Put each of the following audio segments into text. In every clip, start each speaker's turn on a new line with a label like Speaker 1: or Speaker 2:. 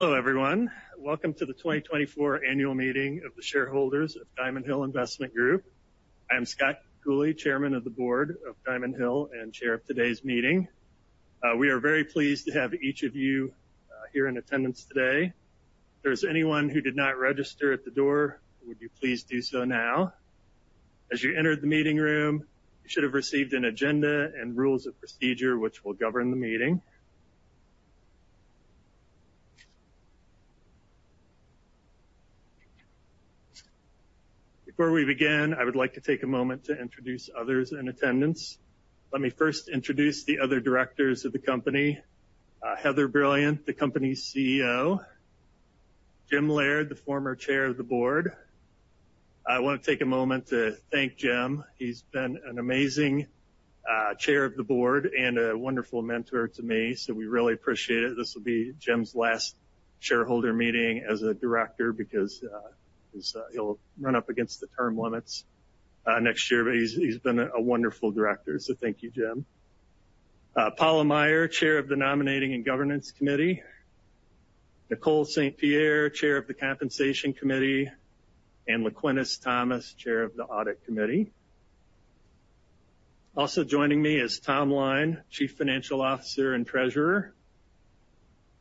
Speaker 1: Hello everyone. Welcome to the 2024 annual meeting of the shareholders of Diamond Hill Investment Group. I am Scott Cooley, Chairman of the Board of Diamond Hill and Chair of today's meeting. We are very pleased to have each of you here in attendance today. If there's anyone who did not register at the door, would you please do so now? As you entered the meeting room, you should have received an agenda and rules of procedure which will govern the meeting. Before we begin, I would like to take a moment to introduce others in attendance. Let me first introduce the other directors of the company. Heather Brilliant, the company's CEO. Jim Laird, the former Chair of the Board. I wanna take a moment to thank Jim. He's been an amazing Chair of the Board and a wonderful mentor to me, so we really appreciate it. This will be Jim's last shareholder meeting as a director because he's, he'll run up against the term limits next year, but he's been a wonderful director, so thank you, Jim. Paula Meyer, Chair of the Nominating and Governance Committee. Nicole St. Pierre, Chair of the Compensation Committee. And L’Quentus Thomas, Chair of the Audit Committee. Also joining me is Tom Line, Chief Financial Officer and Treasurer.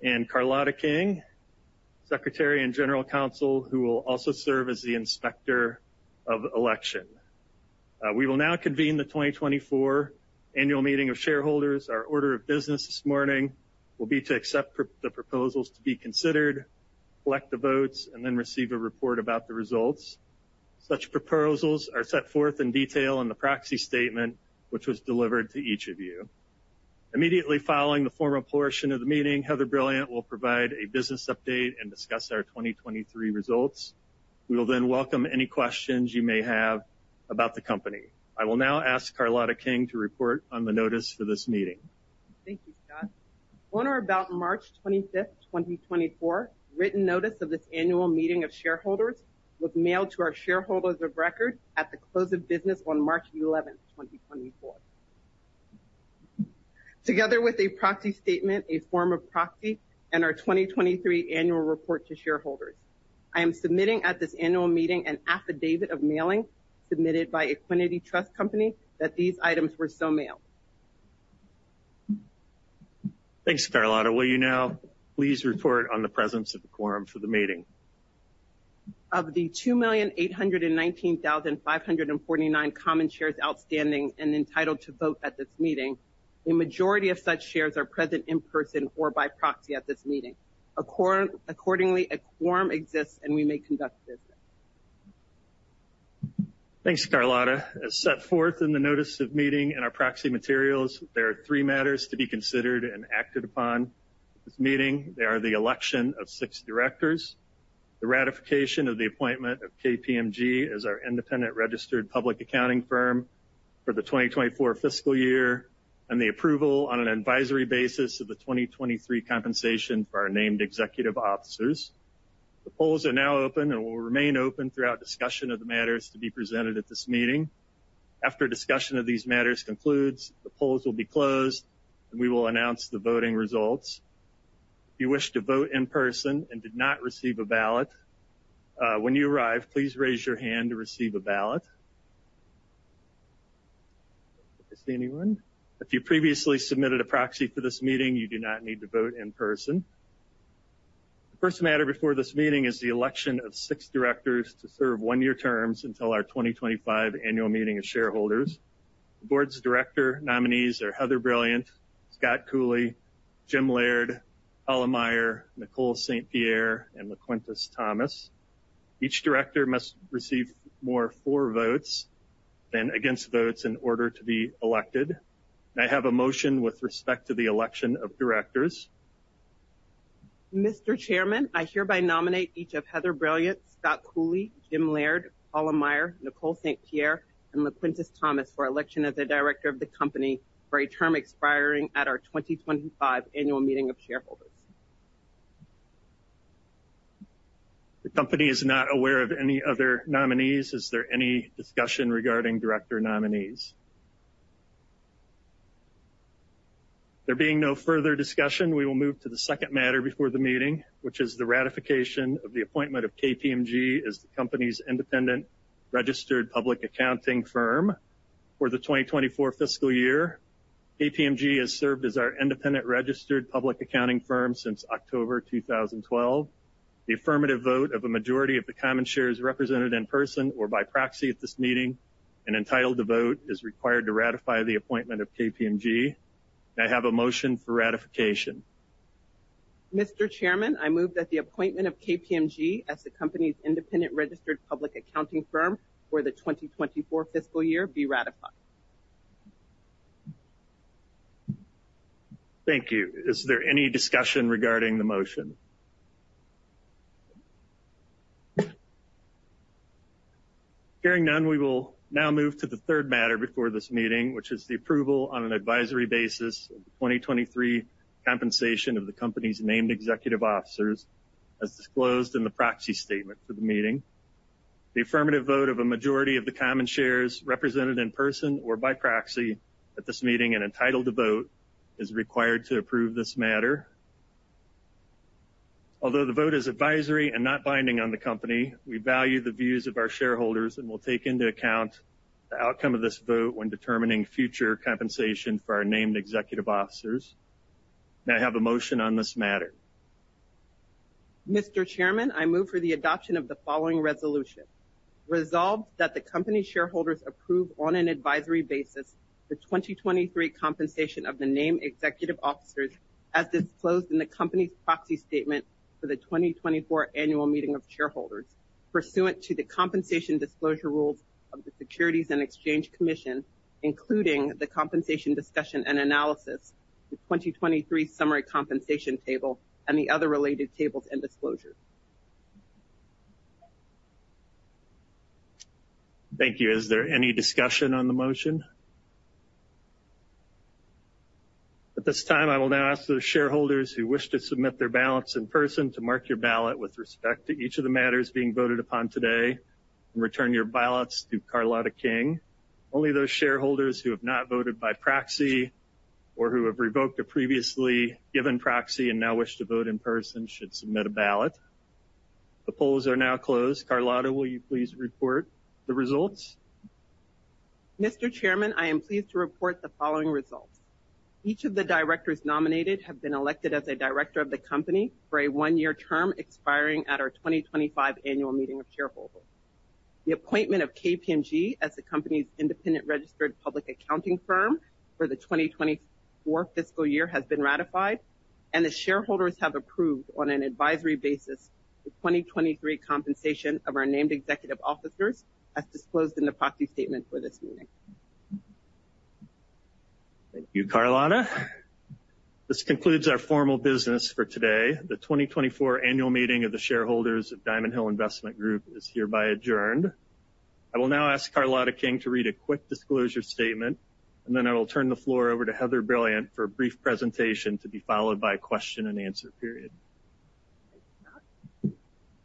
Speaker 1: And Carlotta King, Secretary and General Counsel, who will also serve as the Inspector of Election. We will now convene the 2024 annual meeting of shareholders. Our order of business this morning will be to accept the proposals to be considered, collect the votes, and then receive a report about the results. Such proposals are set forth in detail in the proxy statement which was delivered to each of you. Immediately following the formal portion of the meeting, Heather Brilliant will provide a business update and discuss our 2023 results. We will then welcome any questions you may have about the company. I will now ask Carlotta King to report on the notice for this meeting.
Speaker 2: Thank you, Scott. On or about March 25th, 2024, written notice of this annual meeting of shareholders was mailed to our shareholders of record at the close of business on March 11th, 2024. Together with a proxy statement, a form of proxy, and our 2023 annual report to shareholders, I am submitting at this annual meeting an affidavit of mailing submitted by Equiniti Trust Company that these items were so mailed.
Speaker 1: Thanks, Carlotta. Will you now please report on the presence of quorum for the meeting?
Speaker 2: Of the 2,819,549 common shares outstanding and entitled to vote at this meeting, the majority of such shares are present in person or by proxy at this meeting. Accordingly, a quorum exists and we may conduct business.
Speaker 1: Thanks, Carlotta. As set forth in the notice of meeting and our proxy materials, there are three matters to be considered and acted upon at this meeting. They are the election of six directors, the ratification of the appointment of KPMG as our independent registered public accounting firm for the 2024 fiscal year, and the approval on an advisory basis of the 2023 compensation for our named executive officers. The polls are now open and will remain open throughout discussion of the matters to be presented at this meeting. After discussion of these matters concludes, the polls will be closed and we will announce the voting results. If you wish to vote in person and did not receive a ballot, when you arrive, please raise your hand to receive a ballot. I see anyone. If you previously submitted a proxy for this meeting, you do not need to vote in person. The first matter before this meeting is the election of six directors to serve one-year terms until our 2025 annual meeting of shareholders. The board's director nominees are Heather Brilliant, Scott Cooley, Jim Laird, Paula Meyer, Nicole St. Pierre, and L’Quentus Thomas. Each director must receive more for votes than against votes in order to be elected. I have a motion with respect to the election of directors.
Speaker 2: Mr. Chairman, I hereby nominate each of Heather Brilliant, Scott Cooley, Jim Laird, Paula Meyer, Nicole St. Pierre, and L'Quentus Thomas for election as a director of the company for a term expiring at our 2025 annual meeting of shareholders.
Speaker 1: The company is not aware of any other nominees. Is there any discussion regarding director nominees? There being no further discussion, we will move to the second matter before the meeting, which is the ratification of the appointment of KPMG as the company's independent registered public accounting firm for the 2024 fiscal year. KPMG has served as our independent registered public accounting firm since October 2012. The affirmative vote of a majority of the common shares represented in person or by proxy at this meeting and entitled to vote is required to ratify the appointment of KPMG. I have a motion for ratification.
Speaker 2: Mr. Chairman, I move that the appointment of KPMG as the company's independent registered public accounting firm for the 2024 fiscal year be ratified.
Speaker 1: Thank you. Is there any discussion regarding the motion? Hearing none, we will now move to the third matter before this meeting, which is the approval on an advisory basis of the 2023 compensation of the company's named executive officers, as disclosed in the proxy statement for the meeting. The affirmative vote of a majority of the common shares represented in person or by proxy at this meeting and entitled to vote is required to approve this matter. Although the vote is advisory and not binding on the company, we value the views of our shareholders and will take into account the outcome of this vote when determining future compensation for our named executive officers. I have a motion on this matter.
Speaker 2: Mr. Chairman, I move for the adoption of the following resolution. Resolved that the company's shareholders approve on an advisory basis the 2023 compensation of the named executive officers as disclosed in the company's proxy statement for the 2024 annual meeting of shareholders pursuant to the compensation disclosure rules of the Securities and Exchange Commission, including the Compensation Discussion and Analysis, the 2023 Summary Compensation Table, and the other related tables and disclosures.
Speaker 1: Thank you. Is there any discussion on the motion? At this time, I will now ask those shareholders who wish to submit their ballots in person to mark your ballot with respect to each of the matters being voted upon today and return your ballots to Carlotta King. Only those shareholders who have not voted by proxy or who have revoked a previously given proxy and now wish to vote in person should submit a ballot. The polls are now closed. Carlotta, will you please report the results?
Speaker 2: Mr. Chairman, I am pleased to report the following results. Each of the directors nominated have been elected as a director of the company for a one-year term expiring at our 2025 annual meeting of shareholders. The appointment of KPMG as the company's independent registered public accounting firm for the 2024 fiscal year has been ratified, and the shareholders have approved on an advisory basis the 2023 compensation of our named executive officers as disclosed in the Proxy Statement for this meeting.
Speaker 1: Thank you, Carlotta. This concludes our formal business for today. The 2024 annual meeting of the shareholders of Diamond Hill Investment Group is hereby adjourned. I will now ask Carlotta King to read a quick disclosure statement, and then I will turn the floor over to Heather Brilliant for a brief presentation to be followed by a question and answer period.
Speaker 2: Thanks,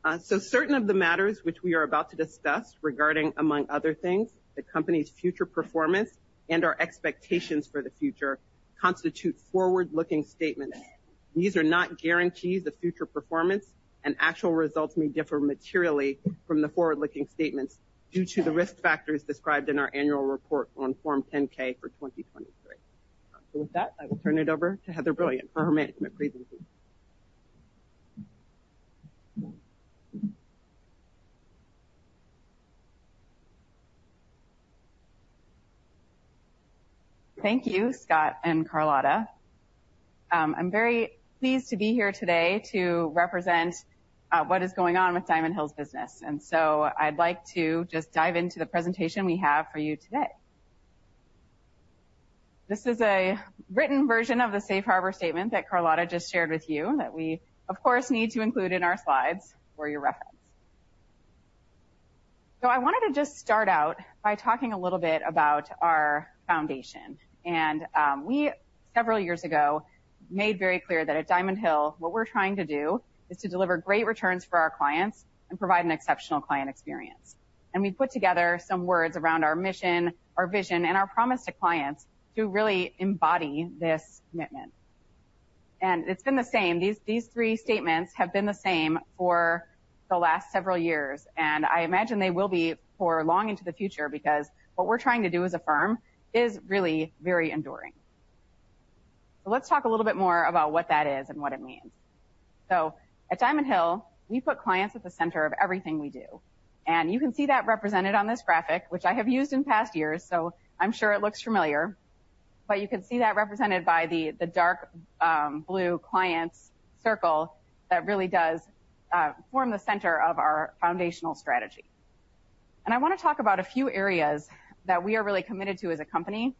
Speaker 2: Scott. So certain of the matters which we are about to discuss regarding, among other things, the company's future performance and our expectations for the future constitute forward-looking statements. These are not guarantees of future performance, and actual results may differ materially from the forward-looking statements due to the risk factors described in our annual report on Form 10-K for 2023. So with that, I will turn it over to Heather Brilliant for her management briefing, please.
Speaker 3: Thank you, Scott and Carlotta. I'm very pleased to be here today to represent what is going on with Diamond Hill's business. So I'd like to just dive into the presentation we have for you today. This is a written version of the Safe Harbor Statement that Carlotta just shared with you that we, of course, need to include in our slides for your reference. So I wanted to just start out by talking a little bit about our foundation. We several years ago made very clear that at Diamond Hill, what we're trying to do is to deliver great returns for our clients and provide an exceptional client experience. We put together some words around our mission, our vision, and our promise to clients to really embody this commitment. It's been the same. These three statements have been the same for the last several years, and I imagine they will be for long into the future because what we're trying to do as a firm is really very enduring. So let's talk a little bit more about what that is and what it means. So at Diamond Hill, we put clients at the center of everything we do. And you can see that represented on this graphic, which I have used in past years, so I'm sure it looks familiar. But you can see that represented by the dark blue clients circle that really does form the center of our foundational strategy. I wanna talk about a few areas that we are really committed to as a company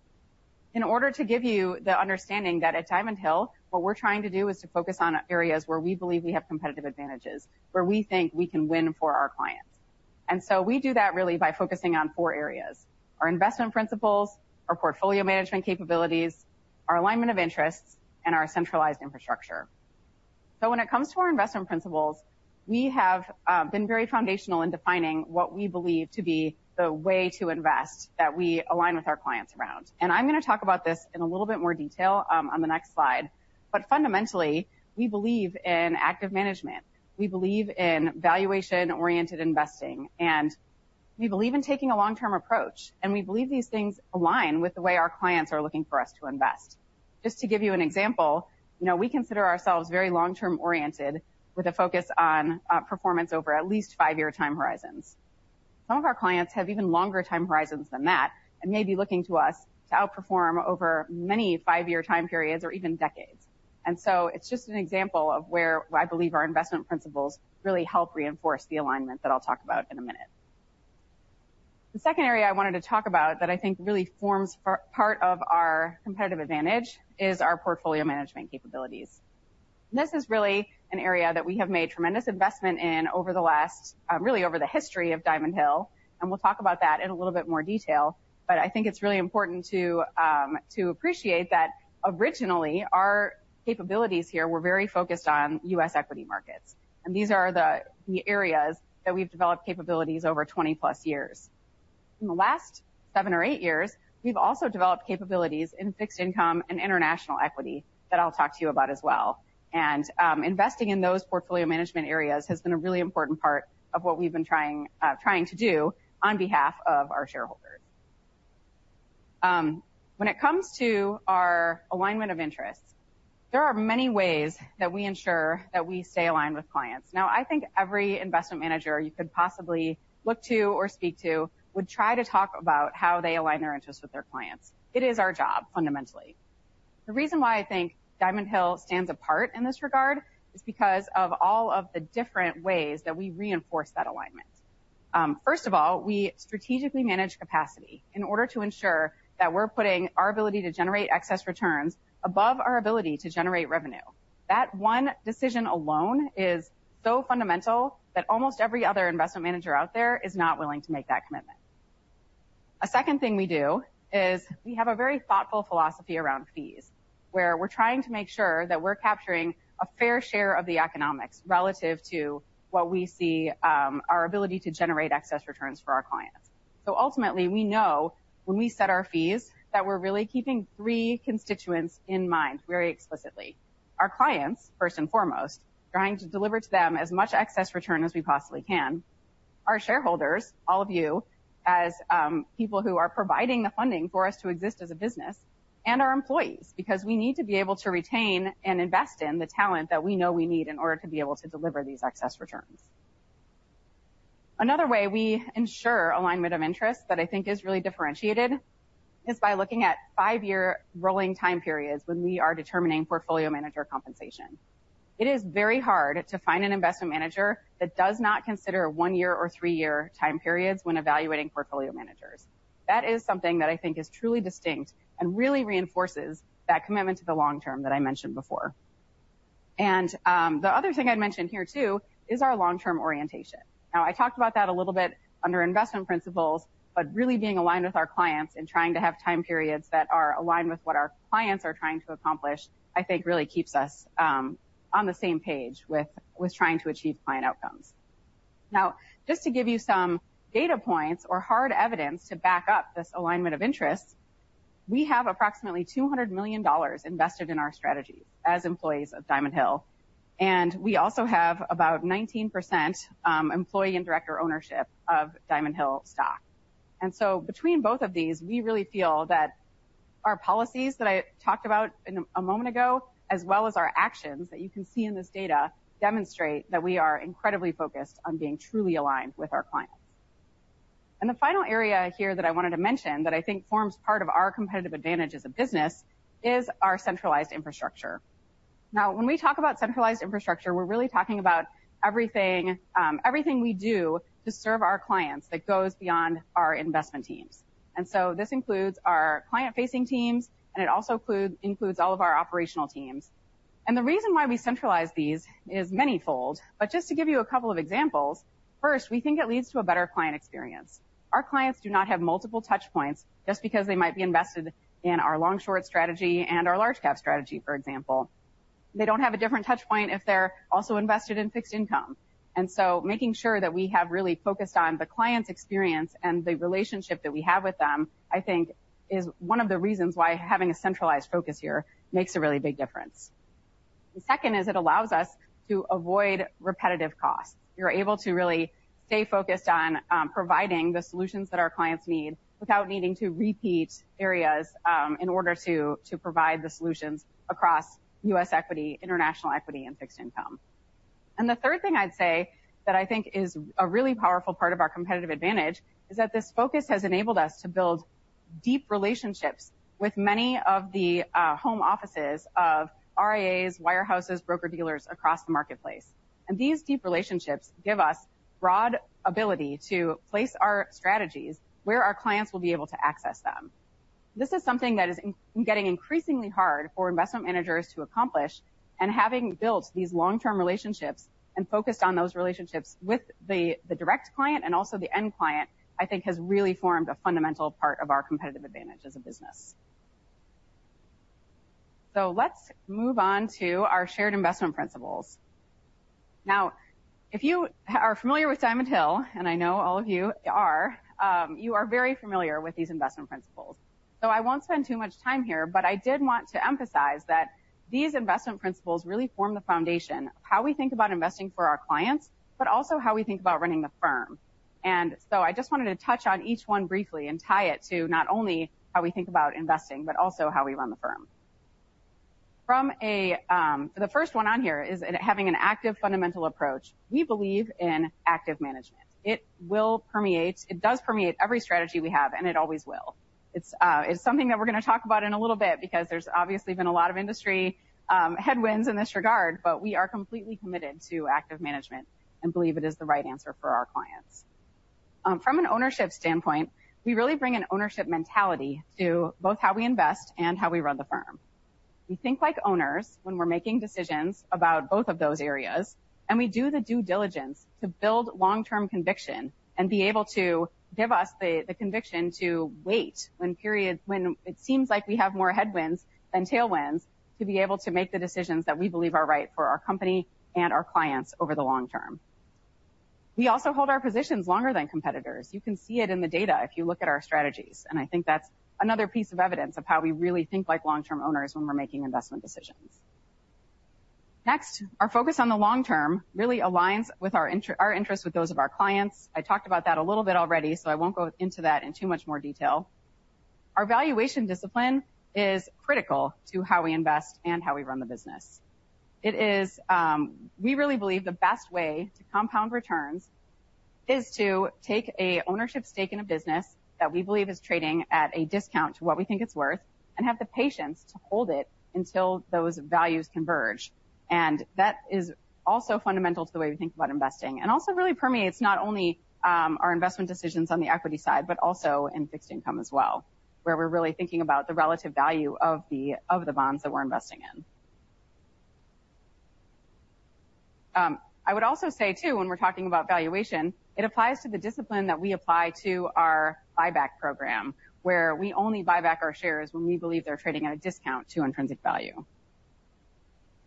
Speaker 3: in order to give you the understanding that at Diamond Hill, what we're trying to do is to focus on areas where we believe we have competitive advantages, where we think we can win for our clients. And so we do that really by focusing on four areas: our investment principles, our portfolio management capabilities, our alignment of interests, and our centralized infrastructure. So when it comes to our investment principles, we have been very foundational in defining what we believe to be the way to invest that we align with our clients around. And I'm gonna talk about this in a little bit more detail, on the next slide. But fundamentally, we believe in active management. We believe in valuation-oriented investing, and we believe in taking a long-term approach. We believe these things align with the way our clients are looking for us to invest. Just to give you an example, you know, we consider ourselves very long-term oriented with a focus on performance over at least five-year time horizons. Some of our clients have even longer time horizons than that and may be looking to us to outperform over many five-year time periods or even decades. And so it's just an example of where I believe our investment principles really help reinforce the alignment that I'll talk about in a minute. The second area I wanted to talk about that I think really forms far part of our competitive advantage is our portfolio management capabilities. And this is really an area that we have made tremendous investment in over the last, really over the history of Diamond Hill. And we'll talk about that in a little bit more detail. But I think it's really important to, to appreciate that originally, our capabilities here were very focused on US equity markets. And these are the areas that we've developed capabilities over 20+ years. In the last seven or eight years, we've also developed capabilities in fixed income and international equity that I'll talk to you about as well. And, investing in those portfolio management areas has been a really important part of what we've been trying to do on behalf of our shareholders. When it comes to our alignment of interests, there are many ways that we ensure that we stay aligned with clients. Now, I think every investment manager you could possibly look to or speak to would try to talk about how they align their interests with their clients. It is our job, fundamentally. The reason why I think Diamond Hill stands apart in this regard is because of all of the different ways that we reinforce that alignment. First of all, we strategically manage capacity in order to ensure that we're putting our ability to generate excess returns above our ability to generate revenue. That one decision alone is so fundamental that almost every other investment manager out there is not willing to make that commitment. A second thing we do is we have a very thoughtful philosophy around fees, where we're trying to make sure that we're capturing a fair share of the economics relative to what we see, our ability to generate excess returns for our clients. So ultimately, we know when we set our fees that we're really keeping three constituents in mind very explicitly. Our clients, first and foremost, trying to deliver to them as much excess return as we possibly can. Our shareholders, all of you, as people who are providing the funding for us to exist as a business. And our employees because we need to be able to retain and invest in the talent that we know we need in order to be able to deliver these excess returns. Another way we ensure alignment of interests that I think is really differentiated is by looking at five-year rolling time periods when we are determining portfolio manager compensation. It is very hard to find an investment manager that does not consider one-year or three-year time periods when evaluating portfolio managers. That is something that I think is truly distinct and really reinforces that commitment to the long term that I mentioned before. The other thing I'd mention here too is our long-term orientation. Now, I talked about that a little bit under investment principles, but really being aligned with our clients and trying to have time periods that are aligned with what our clients are trying to accomplish, I think, really keeps us on the same page with trying to achieve client outcomes. Now, just to give you some data points or hard evidence to back up this alignment of interests, we have approximately $200 million invested in our strategies as employees of Diamond Hill. We also have about 19% employee and director ownership of Diamond Hill stock. So between both of these, we really feel that our policies that I talked about a moment ago, as well as our actions that you can see in this data, demonstrate that we are incredibly focused on being truly aligned with our clients. The final area here that I wanted to mention that I think forms part of our competitive advantage as a business is our centralized infrastructure. Now, when we talk about centralized infrastructure, we're really talking about everything, everything we do to serve our clients that goes beyond our investment teams. This includes our client-facing teams, and it also includes all of our operational teams. The reason why we centralize these is manifold. But just to give you a couple of examples, first, we think it leads to a better client experience. Our clients do not have multiple touchpoints just because they might be invested in our long-short strategy and our large-cap strategy, for example. They don't have a different touchpoint if they're also invested in fixed income. And so making sure that we have really focused on the client's experience and the relationship that we have with them, I think, is one of the reasons why having a centralized focus here makes a really big difference. The second is it allows us to avoid repetitive costs. You're able to really stay focused on, providing the solutions that our clients need without needing to repeat areas, in order to provide the solutions across US equity, international equity, and fixed income. The third thing I'd say that I think is a really powerful part of our competitive advantage is that this focus has enabled us to build deep relationships with many of the home offices of RIAs, wirehouses, broker-dealers across the marketplace. And these deep relationships give us broad ability to place our strategies where our clients will be able to access them. This is something that is getting increasingly hard for investment managers to accomplish. And having built these long-term relationships and focused on those relationships with the the direct client and also the end client, I think, has really formed a fundamental part of our competitive advantage as a business. So let's move on to our shared investment principles. Now, if you are familiar with Diamond Hill, and I know all of you are, you are very familiar with these investment principles. So I won't spend too much time here, but I did want to emphasize that these investment principles really form the foundation of how we think about investing for our clients but also how we think about running the firm. And so I just wanted to touch on each one briefly and tie it to not only how we think about investing but also how we run the firm. From the first one on here is having an active fundamental approach. We believe in active management. It does permeate every strategy we have, and it always will. It's something that we're gonna talk about in a little bit because there's obviously been a lot of industry headwinds in this regard. But we are completely committed to active management and believe it is the right answer for our clients. From an ownership standpoint, we really bring an ownership mentality to both how we invest and how we run the firm. We think like owners when we're making decisions about both of those areas, and we do the due diligence to build long-term conviction and be able to give us the conviction to wait when it seems like we have more headwinds than tailwinds to be able to make the decisions that we believe are right for our company and our clients over the long term. We also hold our positions longer than competitors. You can see it in the data if you look at our strategies. I think that's another piece of evidence of how we really think like long-term owners when we're making investment decisions. Next, our focus on the long term really aligns our interests with those of our clients. I talked about that a little bit already, so I won't go into that in too much more detail. Our valuation discipline is critical to how we invest and how we run the business. It is, we really believe the best way to compound returns is to take a ownership stake in a business that we believe is trading at a discount to what we think it's worth and have the patience to hold it until those values converge. And that is also fundamental to the way we think about investing and also really permeates not only, our investment decisions on the equity side but also in fixed income as well, where we're really thinking about the relative value of the bonds that we're investing in. I would also say too, when we're talking about valuation, it applies to the discipline that we apply to our buyback program, where we only buy back our shares when we believe they're trading at a discount to intrinsic value.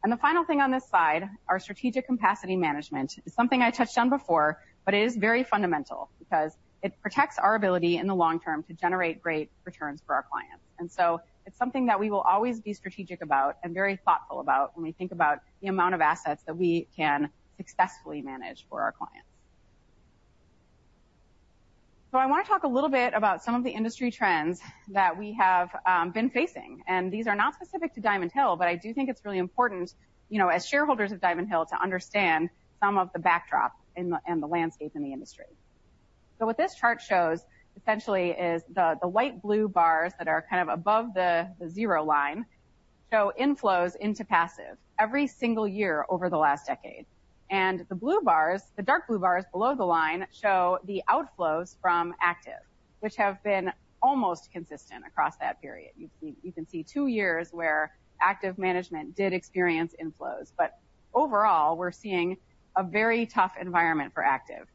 Speaker 3: The final thing on this side, our strategic capacity management, is something I touched on before, but it is very fundamental because it protects our ability in the long term to generate great returns for our clients. So it's something that we will always be strategic about and very thoughtful about when we think about the amount of assets that we can successfully manage for our clients. So I wanna talk a little bit about some of the industry trends that we've been facing. These are not specific to Diamond Hill, but I do think it's really important, you know, as shareholders of Diamond Hill to understand some of the backdrop in the and the landscape in the industry. So what this chart shows, essentially, is the white-blue bars that are kind of above the zero line show inflows into passive every single year over the last decade. And the blue bars, the dark blue bars below the line, show the outflows from active, which have been almost consistent across that period. You can see two years where active management did experience inflows. But overall, we're seeing a very tough environment for active.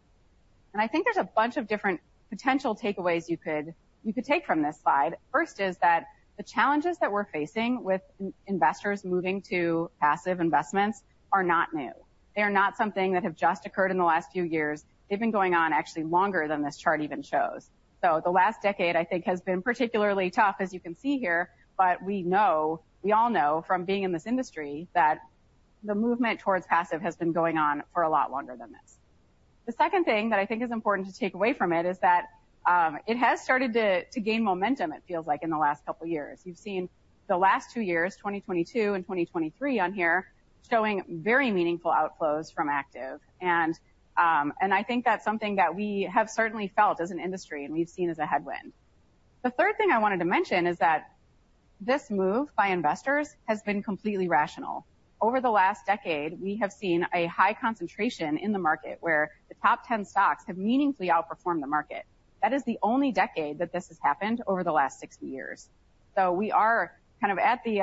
Speaker 3: And I think there's a bunch of different potential takeaways you could take from this slide. First is that the challenges that we're facing with investors moving to passive investments are not new. They are not something that have just occurred in the last few years. They've been going on actually longer than this chart even shows. So the last decade, I think, has been particularly tough, as you can see here. But we know we all know from being in this industry that the movement towards passive has been going on for a lot longer than this. The second thing that I think is important to take away from it is that, it has started to gain momentum, it feels like, in the last couple of years. You've seen the last two years, 2022 and 2023, on here showing very meaningful outflows from active. And I think that's something that we have certainly felt as an industry, and we've seen as a headwind. The third thing I wanted to mention is that this move by investors has been completely rational. Over the last decade, we have seen a high concentration in the market where the top 10 stocks have meaningfully outperformed the market. That is the only decade that this has happened over the last 60 years. So we are kind of at the,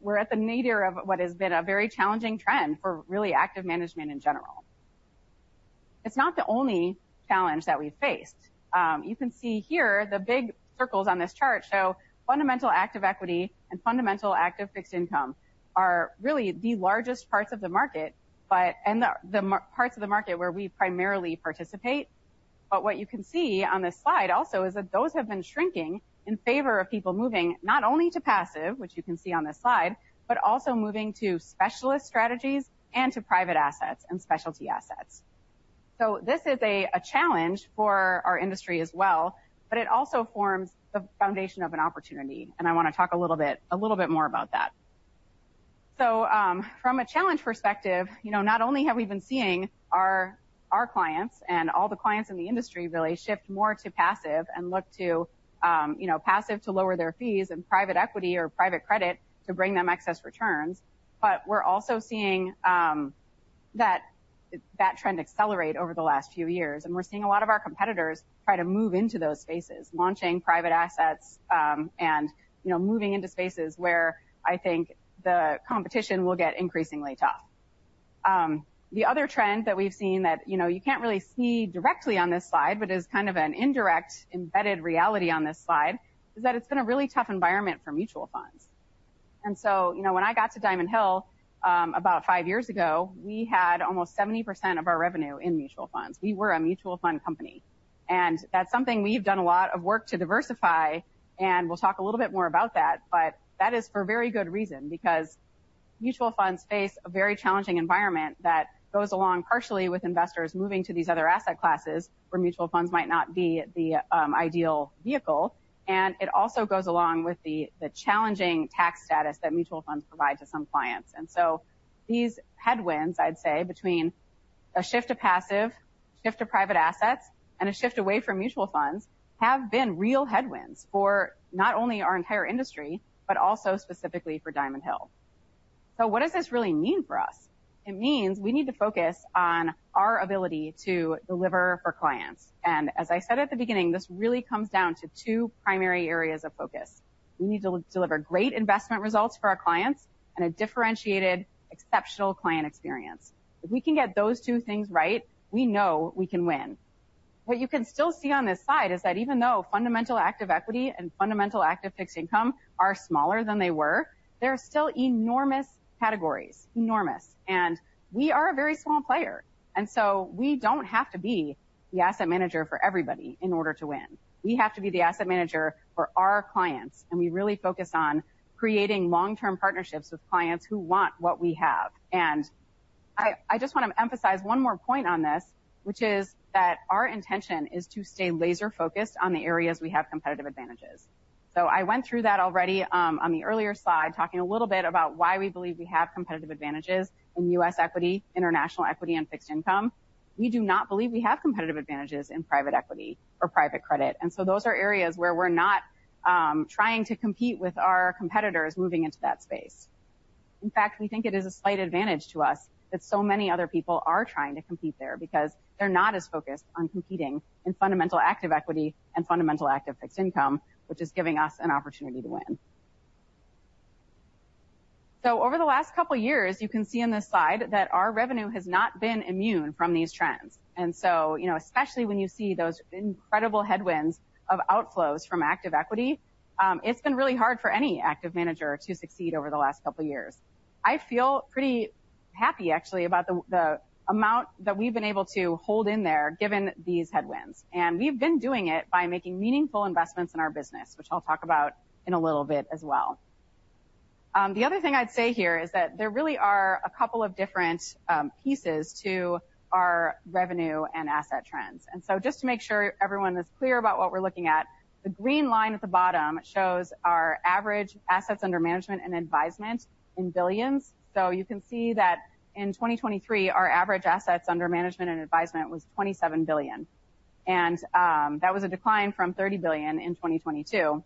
Speaker 3: we're at the nadir of what has been a very challenging trend for really active management in general. It's not the only challenge that we've faced. You can see here the big circles on this chart show fundamental active equity and fundamental active fixed income are really the largest parts of the market but and the parts of the market where we primarily participate. But what you can see on this slide also is that those have been shrinking in favor of people moving not only to passive, which you can see on this slide, but also moving to specialist strategies and to private assets and specialty assets. So this is a challenge for our industry as well, but it also forms the foundation of an opportunity. And I wanna talk a little bit more about that. So, from a challenge perspective, you know, not only have we been seeing our clients and all the clients in the industry really shift more to passive and look to, you know, passive to lower their fees and private equity or private credit to bring them excess returns, but we're also seeing that trend accelerate over the last few years. And we're seeing a lot of our competitors try to move into those spaces, launching private assets, and, you know, moving into spaces where I think the competition will get increasingly tough. The other trend that we've seen that, you know, you can't really see directly on this slide but is kind of an indirect embedded reality on this slide is that it's been a really tough environment for mutual funds. And so, you know, when I got to Diamond Hill, about five years ago, we had almost 70% of our revenue in mutual funds. We were a mutual fund company. And that's something we've done a lot of work to diversify. And we'll talk a little bit more about that. But that is for very good reason because mutual funds face a very challenging environment that goes along partially with investors moving to these other asset classes where mutual funds might not be the ideal vehicle. It also goes along with the challenging tax status that mutual funds provide to some clients. These headwinds, I'd say, between a shift to passive, shift to private assets, and a shift away from mutual funds have been real headwinds for not only our entire industry but also specifically for Diamond Hill. What does this really mean for us? It means we need to focus on our ability to deliver for clients. As I said at the beginning, this really comes down to two primary areas of focus. We need to deliver great investment results for our clients and a differentiated, exceptional client experience. If we can get those two things right, we know we can win. What you can still see on this slide is that even though fundamental active equity and fundamental active fixed income are smaller than they were, there are still enormous categories, enormous. And we are a very small player. And so we don't have to be the asset manager for everybody in order to win. We have to be the asset manager for our clients. And we really focus on creating long-term partnerships with clients who want what we have. And I just wanna emphasize one more point on this, which is that our intention is to stay laser-focused on the areas we have competitive advantages. So I went through that already, on the earlier slide talking a little bit about why we believe we have competitive advantages in US equity, international equity, and fixed income. We do not believe we have competitive advantages in private equity or private credit. And so those are areas where we're not trying to compete with our competitors moving into that space. In fact, we think it is a slight advantage to us that so many other people are trying to compete there because they're not as focused on competing in fundamental active equity and fundamental active fixed income, which is giving us an opportunity to win. So over the last couple of years, you can see on this slide that our revenue has not been immune from these trends. And so, you know, especially when you see those incredible headwinds of outflows from active equity, it's been really hard for any active manager to succeed over the last couple of years. I feel pretty happy, actually, about the amount that we've been able to hold in there given these headwinds. We've been doing it by making meaningful investments in our business, which I'll talk about in a little bit as well. The other thing I'd say here is that there really are a couple of different pieces to our revenue and asset trends. So just to make sure everyone is clear about what we're looking at, the green line at the bottom shows our average assets under management and advisement in billions. You can see that in 2023, our average assets under management and advisement was $27 billion. That was a decline from $30 billion in 2022.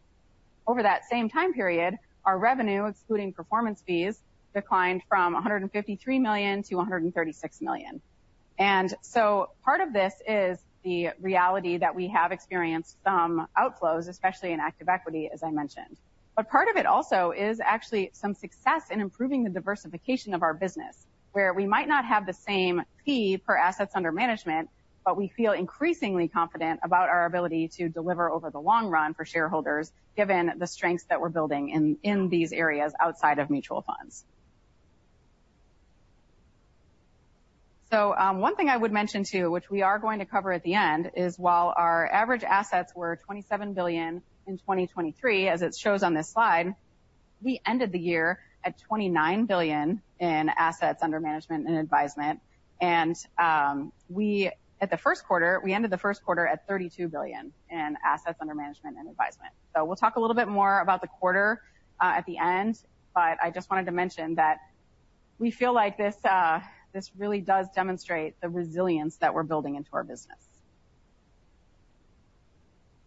Speaker 3: Over that same time period, our revenue, excluding performance fees, declined from $153 million to $136 million. So part of this is the reality that we have experienced some outflows, especially in active equity, as I mentioned. But part of it also is actually some success in improving the diversification of our business, where we might not have the same fee per assets under management, but we feel increasingly confident about our ability to deliver over the long run for shareholders given the strengths that we're building in these areas outside of mutual funds. So, one thing I would mention too, which we are going to cover at the end, is while our average assets were $27 billion in 2023, as it shows on this slide, we ended the year at $29 billion in assets under management and advisement. And, we at the first quarter, we ended the first quarter at $32 billion in assets under management and advisement. So we'll talk a little bit more about the quarter, at the end. But I just wanted to mention that we feel like this, this really does demonstrate the resilience that we're building into our business.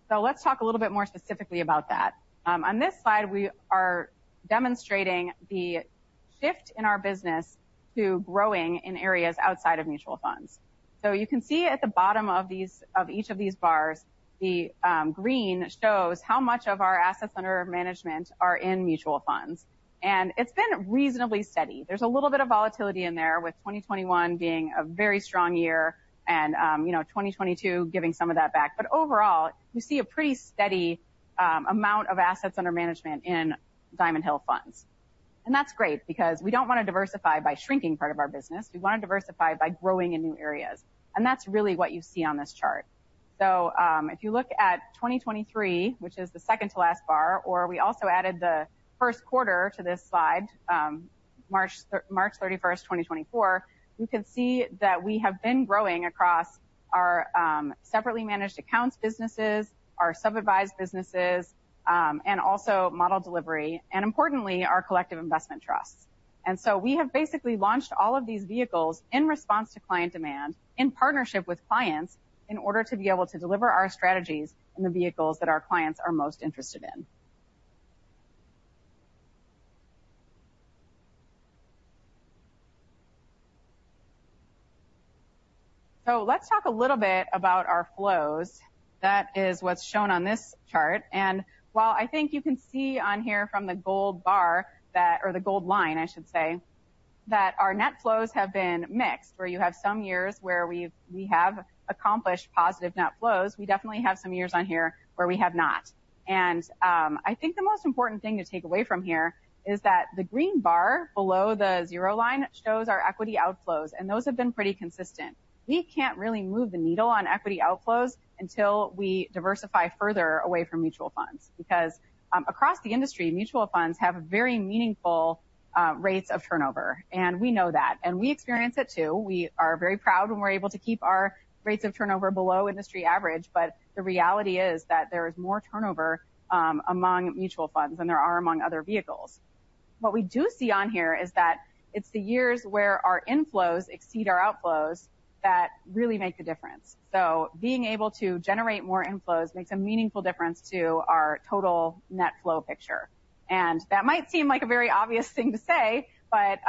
Speaker 3: So let's talk a little bit more specifically about that. On this slide, we are demonstrating the shift in our business to growing in areas outside of mutual funds. So you can see at the bottom of these of each of these bars, the, green shows how much of our assets under management are in mutual funds. And it's been reasonably steady. There's a little bit of volatility in there, with 2021 being a very strong year and, you know, 2022 giving some of that back. But overall, we see a pretty steady, amount of assets under management in Diamond Hill funds. That's great because we don't wanna diversify by shrinking part of our business. We wanna diversify by growing in new areas. That's really what you see on this chart. So, if you look at 2023, which is the second-to-last bar, or we also added the first quarter to this slide, March 31st, 2024, you can see that we have been growing across our separately managed accounts businesses, our sub-advised businesses, and also model delivery, and importantly, our collective investment trusts. So we have basically launched all of these vehicles in response to client demand, in partnership with clients, in order to be able to deliver our strategies in the vehicles that our clients are most interested in. So let's talk a little bit about our flows. That is what's shown on this chart. While I think you can see on here from the gold bar that or the gold line, I should say, that our net flows have been mixed, where you have some years where we have accomplished positive net flows. We definitely have some years on here where we have not. I think the most important thing to take away from here is that the green bar below the zero line shows our equity outflows. Those have been pretty consistent. We can't really move the needle on equity outflows until we diversify further away from mutual funds because across the industry, mutual funds have very meaningful rates of turnover. We know that. We experience it too. We are very proud when we're able to keep our rates of turnover below industry average. But the reality is that there is more turnover among mutual funds than there are among other vehicles. What we do see on here is that it's the years where our inflows exceed our outflows that really make the difference. So being able to generate more inflows makes a meaningful difference to our total net flow picture. And that might seem like a very obvious thing to say. But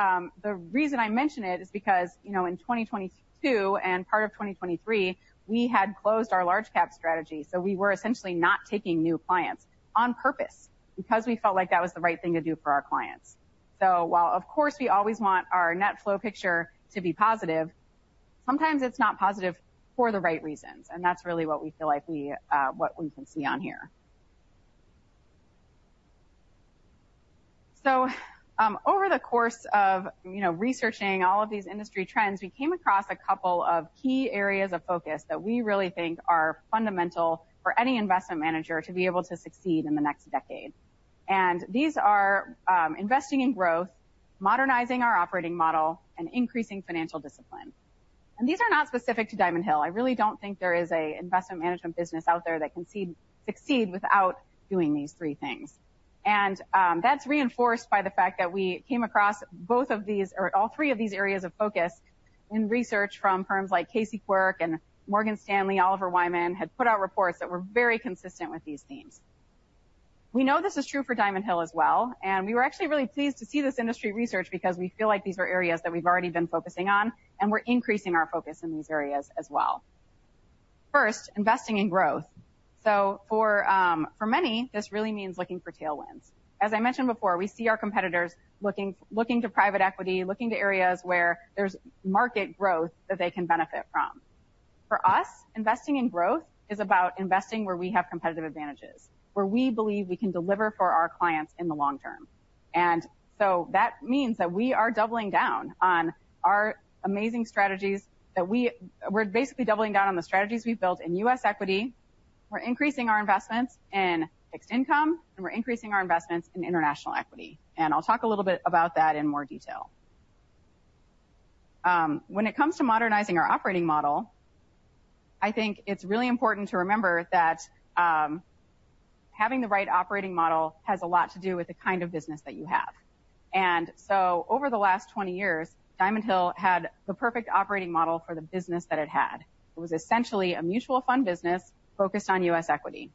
Speaker 3: the reason I mention it is because, you know, in 2022 and part of 2023, we had closed our large-cap strategy. So we were essentially not taking new clients on purpose because we felt like that was the right thing to do for our clients. So while, of course, we always want our net flow picture to be positive, sometimes it's not positive for the right reasons. And that's really what we feel like we, what we can see on here. So, over the course of, you know, researching all of these industry trends, we came across a couple of key areas of focus that we really think are fundamental for any investment manager to be able to succeed in the next decade. And these are, investing in growth, modernizing our operating model, and increasing financial discipline. And these are not specific to Diamond Hill. I really don't think there is an investment management business out there that can succeed without doing these three things. And, that's reinforced by the fact that we came across both of these or all three of these areas of focus in research from firms like Casey Quirk and Morgan Stanley. Oliver Wyman had put out reports that were very consistent with these themes. We know this is true for Diamond Hill as well. We were actually really pleased to see this industry research because we feel like these are areas that we've already been focusing on. We're increasing our focus in these areas as well. First, investing in growth. So for many, this really means looking for tailwinds. As I mentioned before, we see our competitors looking to private equity, looking to areas where there's market growth that they can benefit from. For us, investing in growth is about investing where we have competitive advantages, where we believe we can deliver for our clients in the long term. And so that means that we are doubling down on our amazing strategies that we're basically doubling down on the strategies we've built in US equity. We're increasing our investments in fixed income. And we're increasing our investments in international equity. And I'll talk a little bit about that in more detail. When it comes to modernizing our operating model, I think it's really important to remember that, having the right operating model has a lot to do with the kind of business that you have. And so over the last 20 years, Diamond Hill had the perfect operating model for the business that it had. It was essentially a mutual fund business focused on U.S. equity.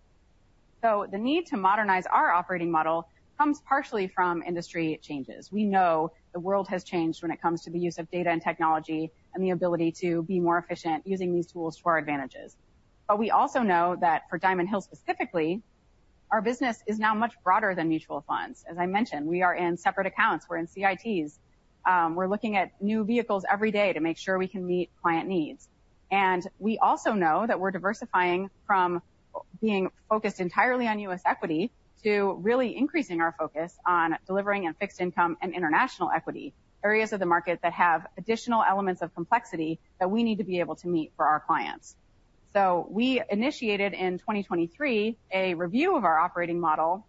Speaker 3: So the need to modernize our operating model comes partially from industry changes. We know the world has changed when it comes to the use of data and technology and the ability to be more efficient using these tools to our advantages. But we also know that for Diamond Hill specifically, our business is now much broader than mutual funds. As I mentioned, we are in separate accounts. We're in CITs. We're looking at new vehicles every day to make sure we can meet client needs. We also know that we're diversifying from being focused entirely on U.S. equity to really increasing our focus on delivering in fixed income and international equity, areas of the market that have additional elements of complexity that we need to be able to meet for our clients. We initiated in 2023 a review of our operating model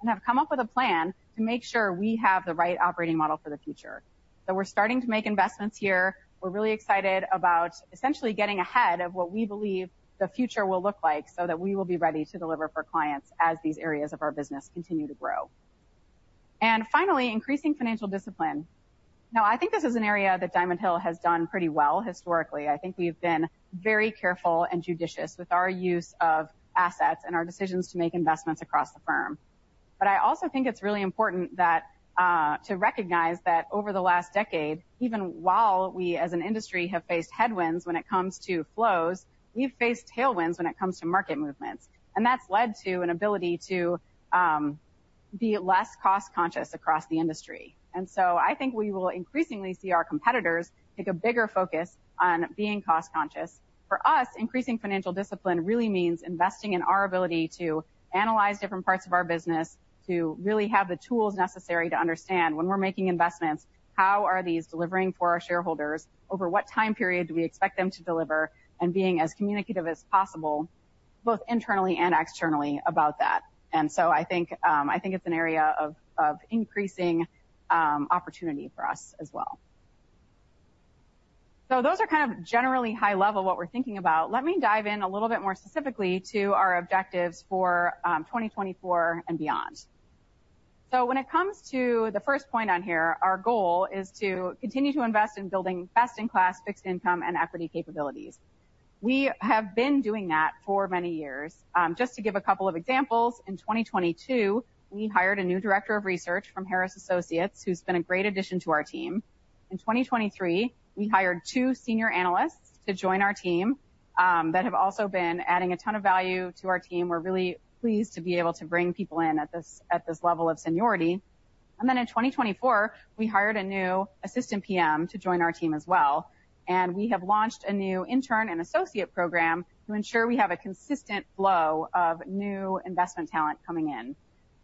Speaker 3: and have come up with a plan to make sure we have the right operating model for the future. We're starting to make investments here. We're really excited about essentially getting ahead of what we believe the future will look like so that we will be ready to deliver for clients as these areas of our business continue to grow. Finally, increasing financial discipline. Now, I think this is an area that Diamond Hill has done pretty well historically. I think we've been very careful and judicious with our use of assets and our decisions to make investments across the firm. But I also think it's really important that, to recognize that over the last decade, even while we as an industry have faced headwinds when it comes to flows, we've faced tailwinds when it comes to market movements. And that's led to an ability to, be less cost-conscious across the industry. And so I think we will increasingly see our competitors take a bigger focus on being cost-conscious. For us, increasing financial discipline really means investing in our ability to analyze different parts of our business, to really have the tools necessary to understand when we're making investments, how are these delivering for our shareholders, over what time period do we expect them to deliver, and being as communicative as possible both internally and externally about that. And so I think, I think it's an area of increasing opportunity for us as well. So those are kind of generally high-level what we're thinking about. Let me dive in a little bit more specifically to our objectives for 2024 and beyond. So when it comes to the first point on here, our goal is to continue to invest in building best-in-class fixed income and equity capabilities. We have been doing that for many years. Just to give a couple of examples, in 2022, we hired a new director of research from Harris Associates who's been a great addition to our team. In 2023, we hired two senior analysts to join our team, that have also been adding a ton of value to our team. We're really pleased to be able to bring people in at this level of seniority. And then in 2024, we hired a new assistant PM to join our team as well. And we have launched a new intern and associate program to ensure we have a consistent flow of new investment talent coming in.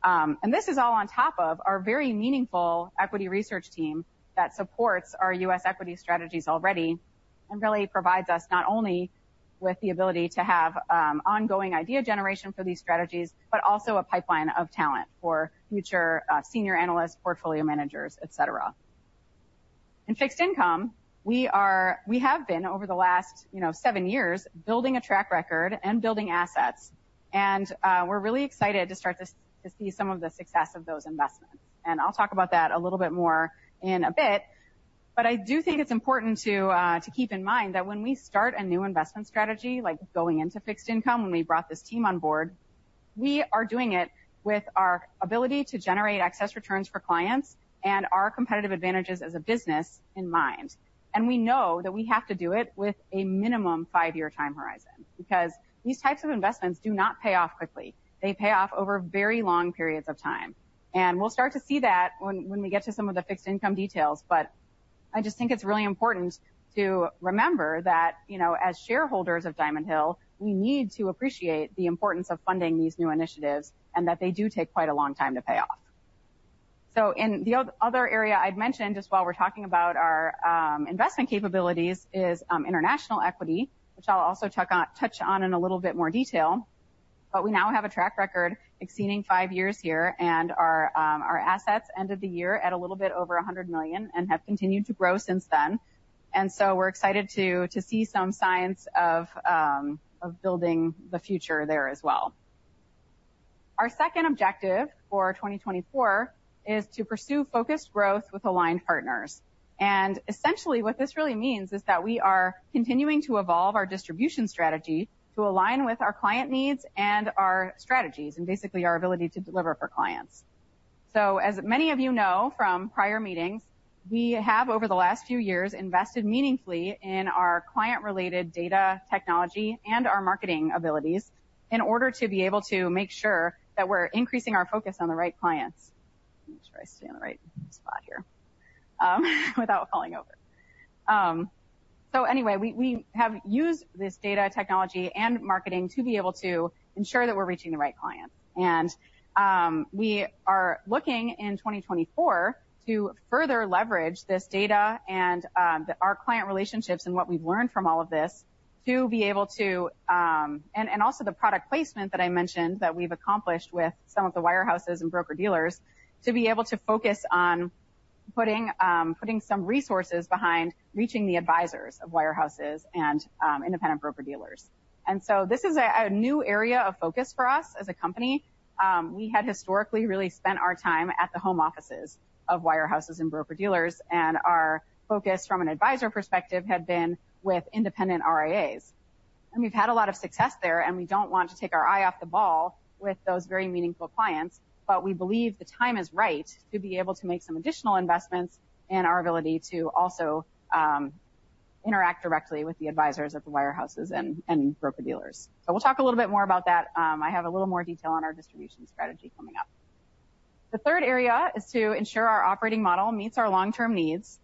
Speaker 3: and this is all on top of our very meaningful equity research team that supports our US equity strategies already and really provides us not only with the ability to have ongoing idea generation for these strategies but also a pipeline of talent for future senior analysts, portfolio managers, etc. In fixed income, we have been over the last, you know, seven years building a track record and building assets. And we're really excited to start to see some of the success of those investments. And I'll talk about that a little bit more in a bit. But I do think it's important to keep in mind that when we start a new investment strategy, like going into fixed income when we brought this team on board, we are doing it with our ability to generate excess returns for clients and our competitive advantages as a business in mind. And we know that we have to do it with a minimum five-year time horizon because these types of investments do not pay off quickly. They pay off over very long periods of time. And we'll start to see that when we get to some of the fixed income details. But I just think it's really important to remember that, you know, as shareholders of Diamond Hill, we need to appreciate the importance of funding these new initiatives and that they do take quite a long time to pay off. So in the other area I'd mentioned just while we're talking about our investment capabilities is international equity, which I'll also touch on in a little bit more detail. But we now have a track record exceeding five years here. And our assets ended the year at a little bit over $100 million and have continued to grow since then. And so we're excited to see some signs of building the future there as well. Our second objective for 2024 is to pursue focused growth with aligned partners. And essentially, what this really means is that we are continuing to evolve our distribution strategy to align with our client needs and our strategies, and basically our ability to deliver for clients. So as many of you know from prior meetings, we have over the last few years invested meaningfully in our client-related data, technology, and our marketing abilities in order to be able to make sure that we're increasing our focus on the right clients. Make sure I stay on the right spot here, without falling over. So anyway, we have used this data, technology, and marketing to be able to ensure that we're reaching the right clients. And we are looking in 2024 to further leverage this data and our client relationships and what we've learned from all of this to be able to and also the product placement that I mentioned that we've accomplished with some of the wirehouses and broker-dealers to be able to focus on putting some resources behind reaching the advisors of wirehouses and independent broker-dealers. So this is a new area of focus for us as a company. We had historically really spent our time at the home offices of wirehouses and broker-dealers. Our focus from an advisor perspective had been with independent RIAs. We've had a lot of success there. We don't want to take our eye off the ball with those very meaningful clients. But we believe the time is right to be able to make some additional investments in our ability to also interact directly with the advisors at the wirehouses and broker-dealers. So we'll talk a little bit more about that. I have a little more detail on our distribution strategy coming up. The third area is to ensure our operating model meets our long-term needs.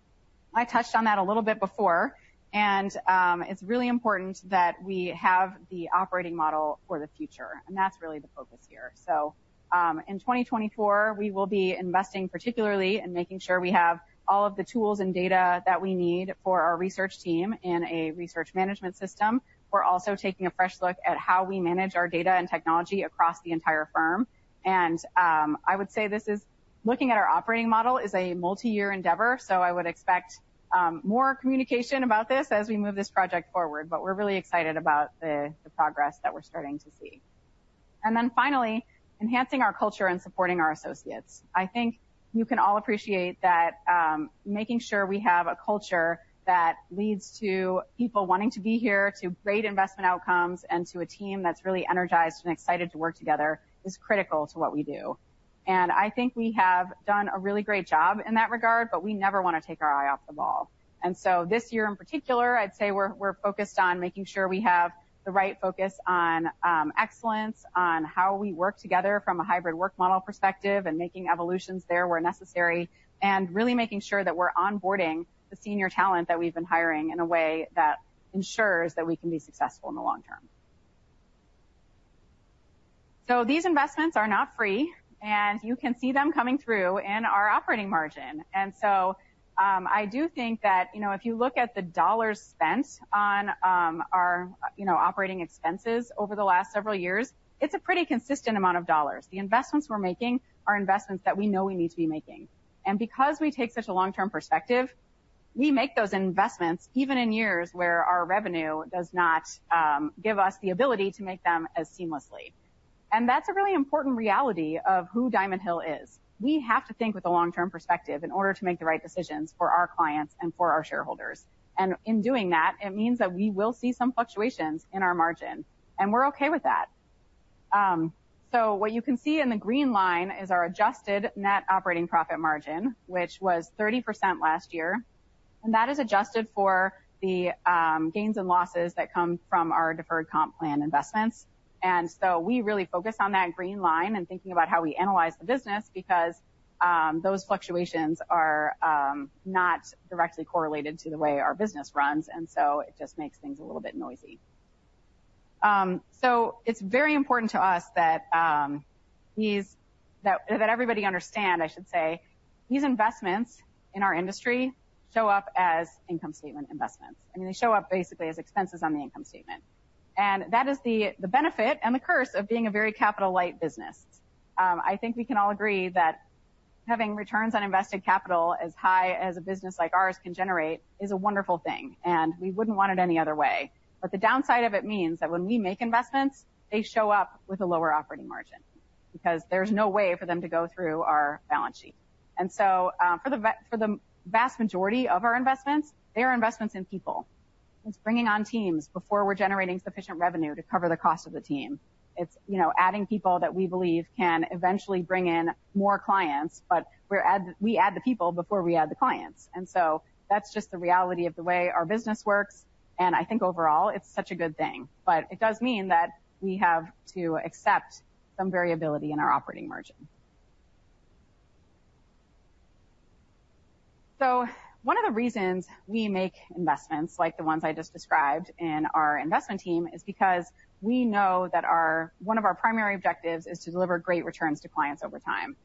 Speaker 3: I touched on that a little bit before. It's really important that we have the operating model for the future. That's really the focus here. In 2024, we will be investing particularly in making sure we have all of the tools and data that we need for our research team in a research management system. We're also taking a fresh look at how we manage our data and technology across the entire firm. I would say this, looking at our operating model, is a multi-year endeavor. I would expect more communication about this as we move this project forward. But we're really excited about the progress that we're starting to see. Then finally, enhancing our culture and supporting our associates. I think you can all appreciate that making sure we have a culture that leads to people wanting to be here, to great investment outcomes, and to a team that's really energized and excited to work together is critical to what we do. I think we have done a really great job in that regard. But we never want to take our eye off the ball. So this year in particular, I'd say we're focused on making sure we have the right focus on excellence, on how we work together from a hybrid work model perspective, and making evolutions there where necessary, and really making sure that we're onboarding the senior talent that we've been hiring in a way that ensures that we can be successful in the long term. These investments are not free. You can see them coming through in our operating margin. And so, I do think that, you know, if you look at the dollars spent on our, you know, operating expenses over the last several years, it's a pretty consistent amount of dollars. The investments we're making are investments that we know we need to be making. And because we take such a long-term perspective, we make those investments even in years where our revenue does not give us the ability to make them as seamlessly. And that's a really important reality of who Diamond Hill is. We have to think with a long-term perspective in order to make the right decisions for our clients and for our shareholders. And in doing that, it means that we will see some fluctuations in our margin. And we're okay with that. So what you can see in the green line is our adjusted net operating profit margin, which was 30% last year. That is adjusted for the gains and losses that come from our deferred comp plan investments. We really focus on that green line and thinking about how we analyze the business because those fluctuations are not directly correlated to the way our business runs. It just makes things a little bit noisy. So it's very important to us that everybody understand, I should say, these investments in our industry show up as income statement investments. I mean, they show up basically as expenses on the income statement. That is the benefit and the curse of being a very capital-light business. I think we can all agree that having returns on invested capital as high as a business like ours can generate is a wonderful thing. We wouldn't want it any other way. But the downside of it means that when we make investments, they show up with a lower operating margin because there's no way for them to go through our balance sheet. And so, for the vast majority of our investments, they are investments in people. It's bringing on teams before we're generating sufficient revenue to cover the cost of the team. It's, you know, adding people that we believe can eventually bring in more clients. But we add the people before we add the clients. And so that's just the reality of the way our business works. And I think overall, it's such a good thing. But it does mean that we have to accept some variability in our operating margin. So one of the reasons we make investments like the ones I just described in our investment team is because we know that our primary objectives is to deliver great returns to clients over time.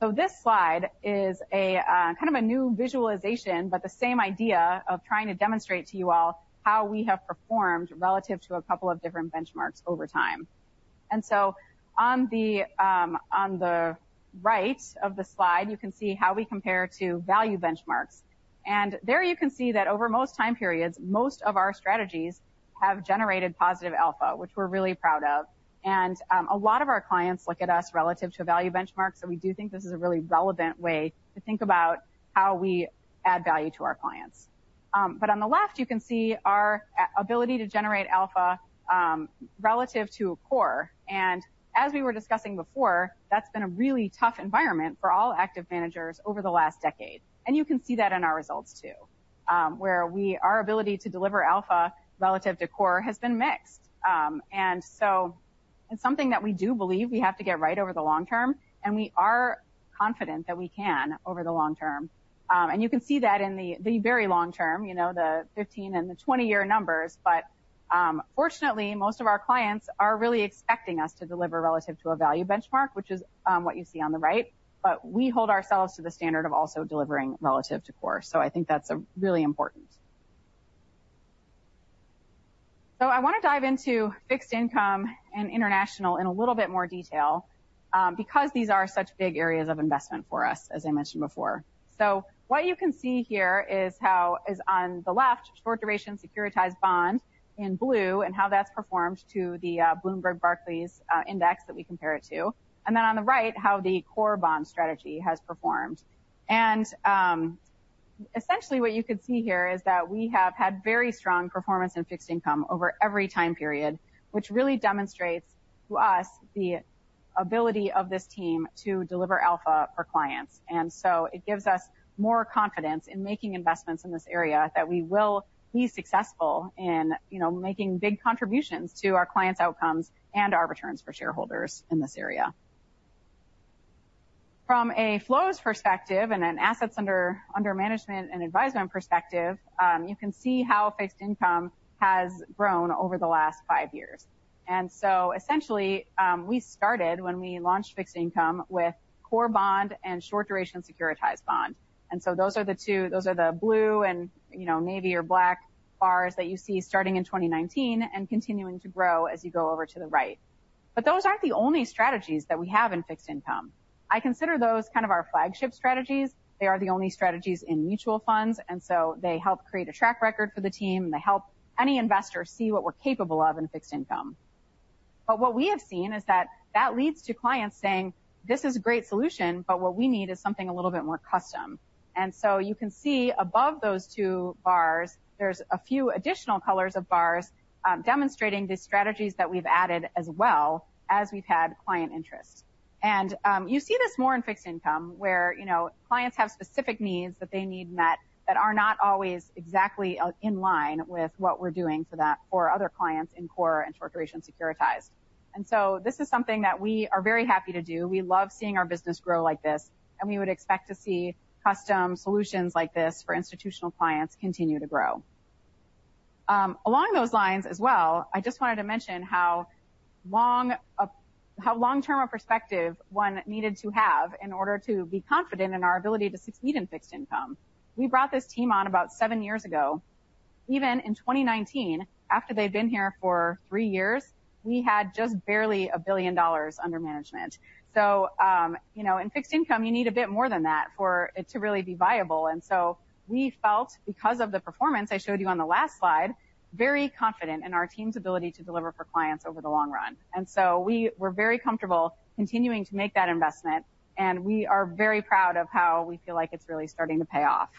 Speaker 3: So this slide is kind of a new visualization but the same idea of trying to demonstrate to you all how we have performed relative to a couple of different benchmarks over time. And so on the right of the slide, you can see how we compare to value benchmarks. And there you can see that over most time periods, most of our strategies have generated positive alpha, which we're really proud of. And a lot of our clients look at us relative to value benchmarks. So we do think this is a really relevant way to think about how we add value to our clients. But on the left, you can see our ability to generate alpha relative to core. As we were discussing before, that's been a really tough environment for all active managers over the last decade. You can see that in our results too, where our ability to deliver alpha relative to core has been mixed. So it's something that we do believe we have to get right over the long term. We are confident that we can over the long term. You can see that in the very long term, you know, the 15- and 20-year numbers. Fortunately, most of our clients are really expecting us to deliver relative to a value benchmark, which is what you see on the right. We hold ourselves to the standard of also delivering relative to core. So I think that's really important. So I want to dive into fixed income and international in a little bit more detail, because these are such big areas of investment for us, as I mentioned before. So what you can see here is how is on the left, Short Duration Securitized Bond in blue and how that's performed to the Bloomberg Barclays index that we compare it to. And then on the right, how the Core Bond strategy has performed. And, essentially, what you could see here is that we have had very strong performance in fixed income over every time period, which really demonstrates to us the ability of this team to deliver alpha for clients. And so it gives us more confidence in making investments in this area that we will be successful in, you know, making big contributions to our clients' outcomes and our returns for shareholders in this area. From a flows perspective and an assets under management and advisement perspective, you can see how fixed income has grown over the last five years. And so essentially, we started when we launched fixed income with Core Bond and Short Duration Securitized Bond. And so those are the two blue and, you know, navy or black bars that you see starting in 2019 and continuing to grow as you go over to the right. But those aren't the only strategies that we have in fixed income. I consider those kind of our flagship strategies. They are the only strategies in mutual funds. And so they help create a track record for the team. And they help any investor see what we're capable of in fixed income. But what we have seen is that that leads to clients saying, "This is a great solution. But what we need is something a little bit more custom." And so you can see above those two bars, there's a few additional colors of bars, demonstrating the strategies that we've added as well as we've had client interest. And you see this more in fixed income where, you know, clients have specific needs that they need met that are not always exactly in line with what we're doing for that for other clients in core and short-duration securitized. And so this is something that we are very happy to do. We love seeing our business grow like this. And we would expect to see custom solutions like this for institutional clients continue to grow. Along those lines as well, I just wanted to mention how long a how long-term a perspective one needed to have in order to be confident in our ability to succeed in fixed income. We brought this team on about seven years ago. Even in 2019, after they'd been here for three years, we had just barely $1 billion under management. So, you know, in fixed income, you need a bit more than that for it to really be viable. And so we felt, because of the performance I showed you on the last slide, very confident in our team's ability to deliver for clients over the long run. And so we were very comfortable continuing to make that investment. And we are very proud of how we feel like it's really starting to pay off.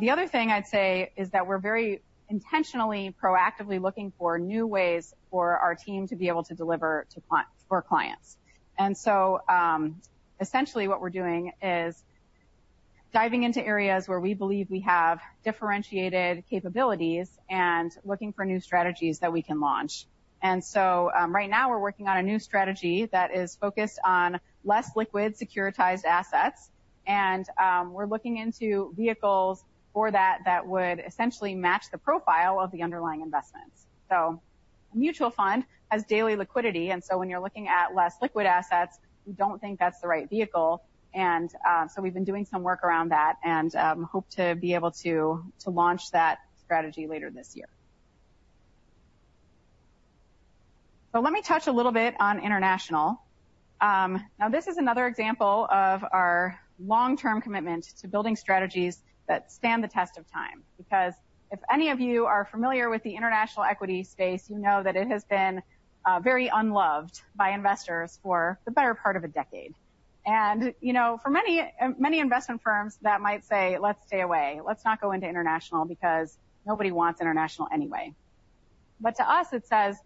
Speaker 3: The other thing I'd say is that we're very intentionally, proactively looking for new ways for our team to be able to deliver to clients for clients. And so, essentially, what we're doing is diving into areas where we believe we have differentiated capabilities and looking for new strategies that we can launch. And so, right now, we're working on a new strategy that is focused on less liquid securitized assets. And, we're looking into vehicles for that that would essentially match the profile of the underlying investments. So a mutual fund has daily liquidity. And so when you're looking at less liquid assets, we don't think that's the right vehicle. And, so we've been doing some work around that and, hope to be able to to launch that strategy later this year. So let me touch a little bit on international. Now, this is another example of our long-term commitment to building strategies that stand the test of time. Because if any of you are familiar with the international equity space, you know that it has been very unloved by investors for the better part of a decade. And, you know, for many, many investment firms, that might say, "Let's stay away. Let's not go into international because nobody wants international anyway." But to us, it says,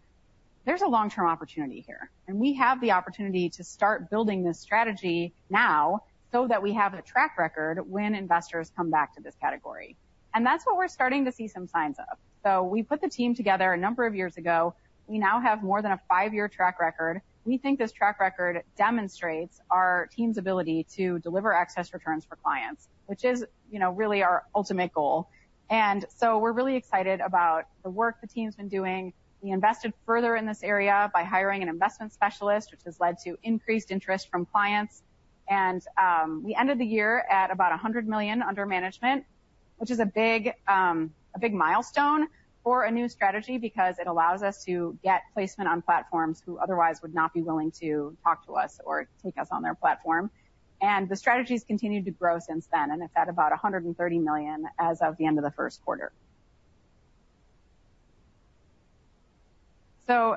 Speaker 3: "There's a long-term opportunity here. And we have the opportunity to start building this strategy now so that we have a track record when investors come back to this category." And that's what we're starting to see some signs of. So we put the team together a number of years ago. We now have more than a five-year track record. We think this track record demonstrates our team's ability to deliver excess returns for clients, which is, you know, really our ultimate goal. And so we're really excited about the work the team's been doing. We invested further in this area by hiring an investment specialist, which has led to increased interest from clients. And we ended the year at about $100 million under management, which is a big, a big milestone for a new strategy because it allows us to get placement on platforms who otherwise would not be willing to talk to us or take us on their platform. And the strategy's continued to grow since then. And it's at about $130 million as of the end of the first quarter. So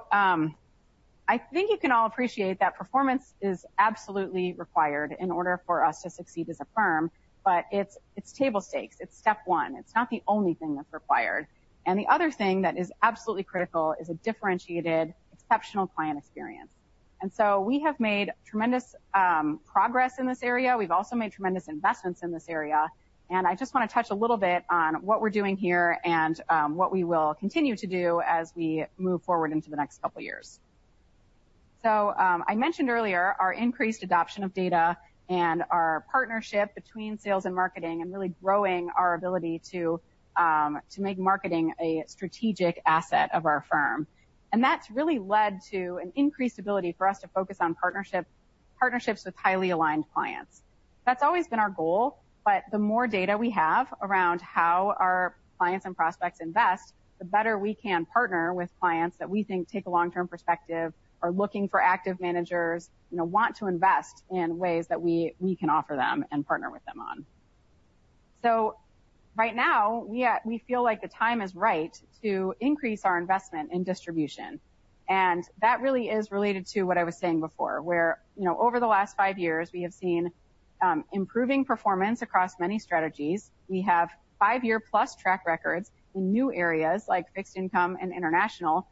Speaker 3: I think you can all appreciate that performance is absolutely required in order for us to succeed as a firm. But it's it's table stakes. It's step one. It's not the only thing that's required. And the other thing that is absolutely critical is a differentiated, exceptional client experience. So we have made tremendous progress in this area. We've also made tremendous investments in this area. I just want to touch a little bit on what we're doing here and what we will continue to do as we move forward into the next couple of years. I mentioned earlier our increased adoption of data and our partnership between sales and marketing and really growing our ability to make marketing a strategic asset of our firm. That's really led to an increased ability for us to focus on partnership partnerships with highly aligned clients. That's always been our goal. But the more data we have around how our clients and prospects invest, the better we can partner with clients that we think take a long-term perspective, are looking for active managers, you know, want to invest in ways that we can offer them and partner with them on. So right now, we feel like the time is right to increase our investment in distribution. And that really is related to what I was saying before, where, you know, over the last five years, we have seen, improving performance across many strategies. We have five-year-plus track records in new areas like fixed income and international.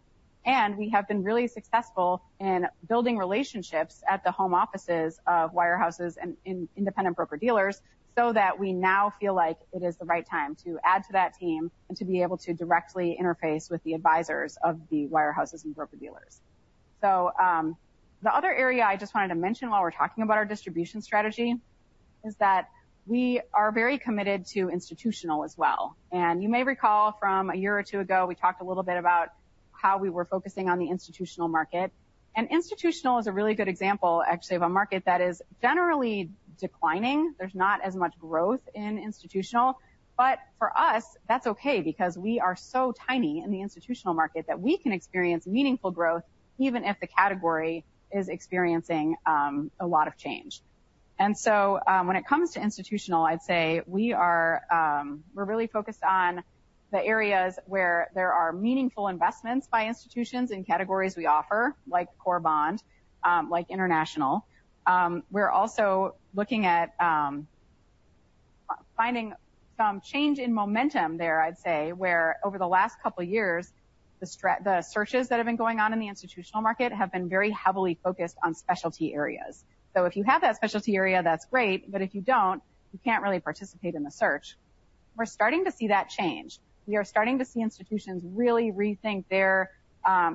Speaker 3: We have been really successful in building relationships at the home offices of wirehouses and in independent broker-dealers so that we now feel like it is the right time to add to that team and to be able to directly interface with the advisors of the wirehouses and broker-dealers. The other area I just wanted to mention while we're talking about our distribution strategy is that we are very committed to institutional as well. You may recall from a year or two ago, we talked a little bit about how we were focusing on the institutional market. Institutional is a really good example, actually, of a market that is generally declining. There's not as much growth in institutional. For us, that's okay because we are so tiny in the institutional market that we can experience meaningful growth even if the category is experiencing a lot of change. So, when it comes to institutional, I'd say we're really focused on the areas where there are meaningful investments by institutions in categories we offer, like Core Bond, like international. We're also looking at finding some change in momentum there, I'd say, where over the last couple of years, the searches that have been going on in the institutional market have been very heavily focused on specialty areas. So if you have that specialty area, that's great. But if you don't, you can't really participate in the search. We're starting to see that change. We are starting to see institutions really rethink their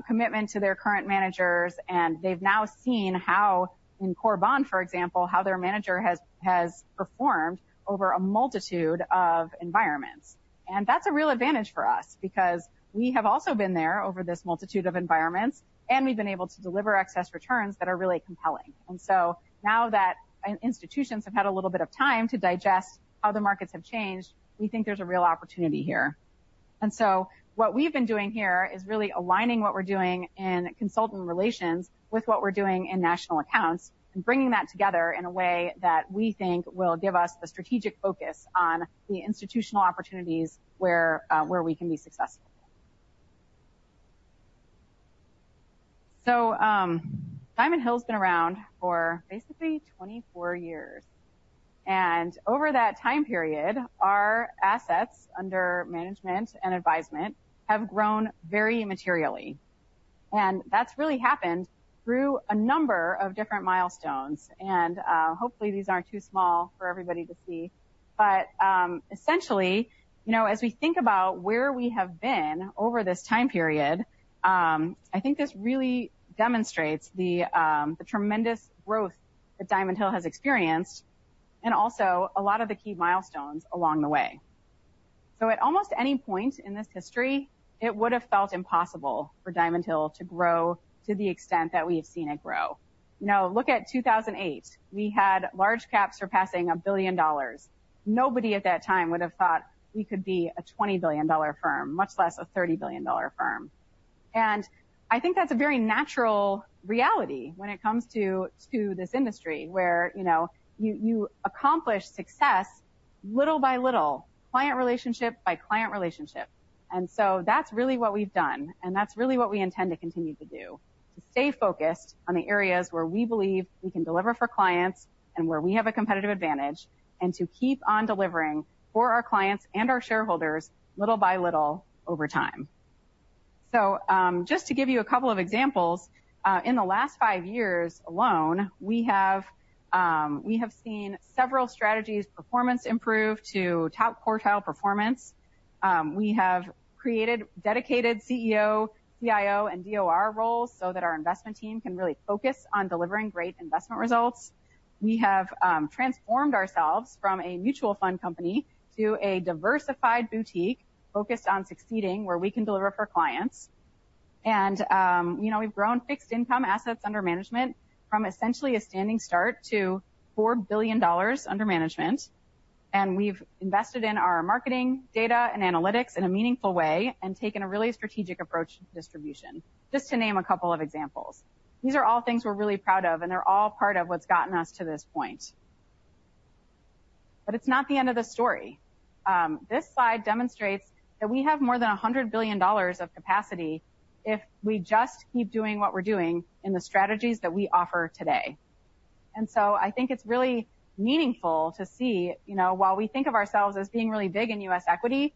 Speaker 3: commitment to their current managers. They've now seen how in Core Bond, for example, how their manager has performed over a multitude of environments. That's a real advantage for us because we have also been there over this multitude of environments. We've been able to deliver excess returns that are really compelling. So now that institutions have had a little bit of time to digest how the markets have changed, we think there's a real opportunity here. What we've been doing here is really aligning what we're doing in consultant relations with what we're doing in national accounts and bringing that together in a way that we think will give us the strategic focus on the institutional opportunities where we can be successful. Diamond Hill's been around for basically 24 years. Over that time period, our assets under management and advisement have grown very materially. That's really happened through a number of different milestones. Hopefully, these aren't too small for everybody to see. Essentially, you know, as we think about where we have been over this time period, I think this really demonstrates the tremendous growth that Diamond Hill has experienced and also a lot of the key milestones along the way. At almost any point in this history, it would have felt impossible for Diamond Hill to grow to the extent that we have seen it grow. You know, look at 2008. We had large caps surpassing $1 billion. Nobody at that time would have thought we could be a $20 billion firm, much less a $30 billion firm. I think that's a very natural reality when it comes to this industry where, you know, you accomplish success little by little, client relationship by client relationship. So that's really what we've done. That's really what we intend to continue to do, to stay focused on the areas where we believe we can deliver for clients and where we have a competitive advantage and to keep on delivering for our clients and our shareholders little by little over time. So, just to give you a couple of examples, in the last five years alone, we have seen several strategies' performance improve to top quartile performance. We have created dedicated CEO, CIO, and DOR roles so that our investment team can really focus on delivering great investment results. We have transformed ourselves from a mutual fund company to a diversified boutique focused on succeeding where we can deliver for clients. You know, we've grown fixed income assets under management from essentially a standing start to $4 billion under management. And we've invested in our marketing, data, and analytics in a meaningful way and taken a really strategic approach to distribution, just to name a couple of examples. These are all things we're really proud of. And they're all part of what's gotten us to this point. But it's not the end of the story. This slide demonstrates that we have more than $100 billion of capacity if we just keep doing what we're doing in the strategies that we offer today. And so I think it's really meaningful to see, you know, while we think of ourselves as being really big in US equity,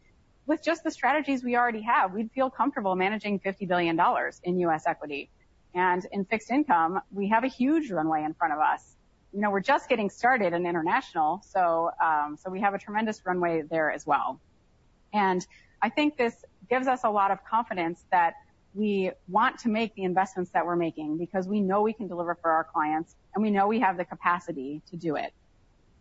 Speaker 3: with just the strategies we already have, we'd feel comfortable managing $50 billion in US equity. And in fixed income, we have a huge runway in front of us. You know, we're just getting started in international. So, so we have a tremendous runway there as well. I think this gives us a lot of confidence that we want to make the investments that we're making because we know we can deliver for our clients. We know we have the capacity to do it.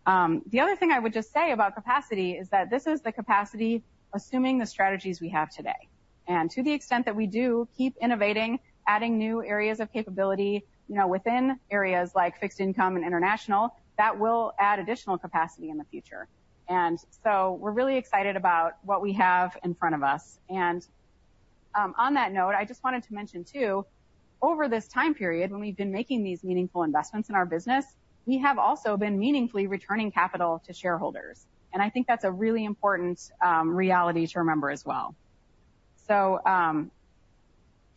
Speaker 3: The other thing I would just say about capacity is that this is the capacity assuming the strategies we have today. To the extent that we do keep innovating, adding new areas of capability, you know, within areas like fixed income and international, that will add additional capacity in the future. So we're really excited about what we have in front of us. On that note, I just wanted to mention too, over this time period when we've been making these meaningful investments in our business, we have also been meaningfully returning capital to shareholders. I think that's a really important reality to remember as well. So,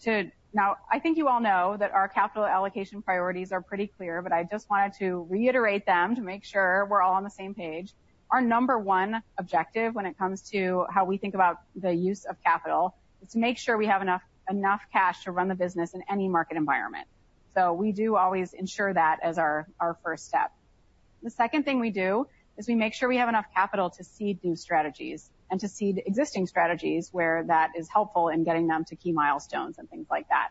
Speaker 3: too, now, I think you all know that our capital allocation priorities are pretty clear. I just wanted to reiterate them to make sure we're all on the same page. Our number one objective when it comes to how we think about the use of capital is to make sure we have enough cash to run the business in any market environment. We do always ensure that as our first step. The second thing we do is we make sure we have enough capital to seed new strategies and to seed existing strategies where that is helpful in getting them to key milestones and things like that.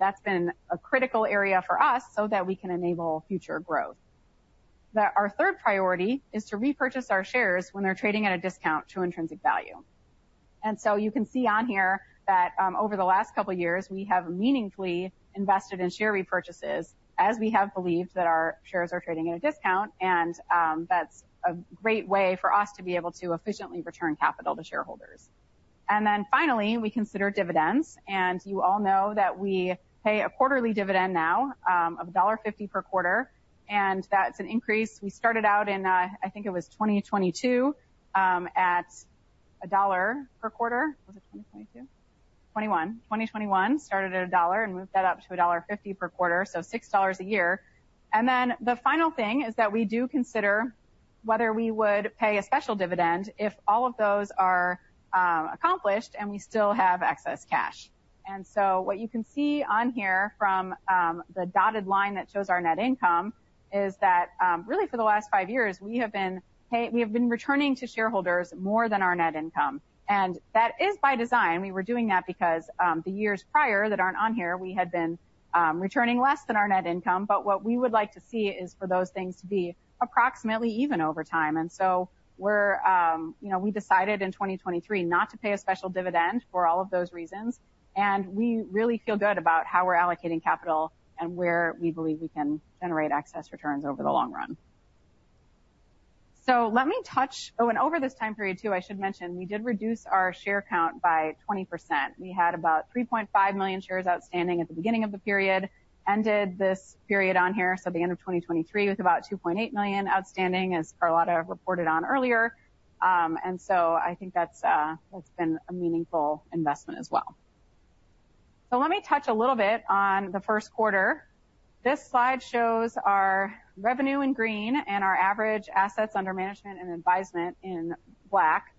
Speaker 3: That's been a critical area for us so that we can enable future growth. Our third priority is to repurchase our shares when they're trading at a discount to intrinsic value. And so you can see on here that, over the last couple of years, we have meaningfully invested in share repurchases as we have believed that our shares are trading at a discount. And, that's a great way for us to be able to efficiently return capital to shareholders. And then finally, we consider dividends. And you all know that we pay a quarterly dividend now, of $1.50 per quarter. And that's an increase. We started out in, I think it was 2022, at $1 per quarter. Was it 2022? '21. 2021 started at $1 and moved that up to $1.50 per quarter, so $6 a year. And then the final thing is that we do consider whether we would pay a special dividend if all of those are accomplished and we still have excess cash. And so what you can see on here from the dotted line that shows our net income is that really for the last five years, we have been paying we have been returning to shareholders more than our net income. And that is by design. We were doing that because the years prior that aren't on here, we had been returning less than our net income. But what we would like to see is for those things to be approximately even over time. And so we're, you know, we decided in 2023 not to pay a special dividend for all of those reasons. And we really feel good about how we're allocating capital and where we believe we can generate excess returns over the long run. So let me touch oh, and over this time period too, I should mention, we did reduce our share count by 20%. We had about 3.5 million shares outstanding at the beginning of the period, ended this period on here, so the end of 2023, with about 2.8 million outstanding, as Carlotta reported on earlier. And so I think that's, that's been a meaningful investment as well. So let me touch a little bit on the first quarter. This slide shows our revenue in green and our average assets under management and advisement in black.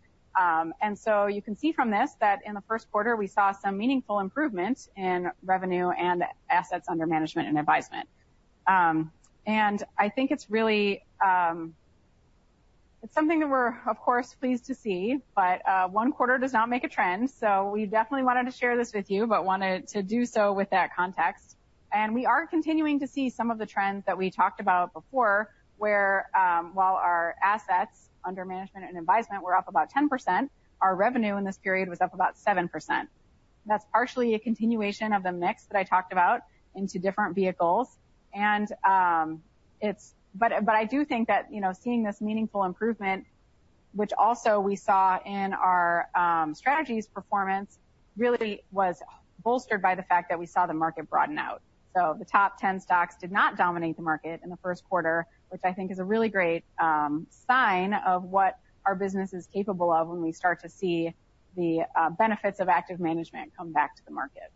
Speaker 3: And so you can see from this that in the first quarter, we saw some meaningful improvements in revenue and assets under management and advisement. I think it's really, it's something that we're, of course, pleased to see. But, one quarter does not make a trend. So we definitely wanted to share this with you but wanted to do so with that context. And we are continuing to see some of the trends that we talked about before where, while our assets under management and advisement were up about 10%, our revenue in this period was up about 7%. That's partially a continuation of the mix that I talked about into different vehicles. And, it's but I do think that, you know, seeing this meaningful improvement, which also we saw in our, strategies' performance, really was bolstered by the fact that we saw the market broaden out. So the top 10 stocks did not dominate the market in the first quarter, which I think is a really great sign of what our business is capable of when we start to see the benefits of active management come back to the market.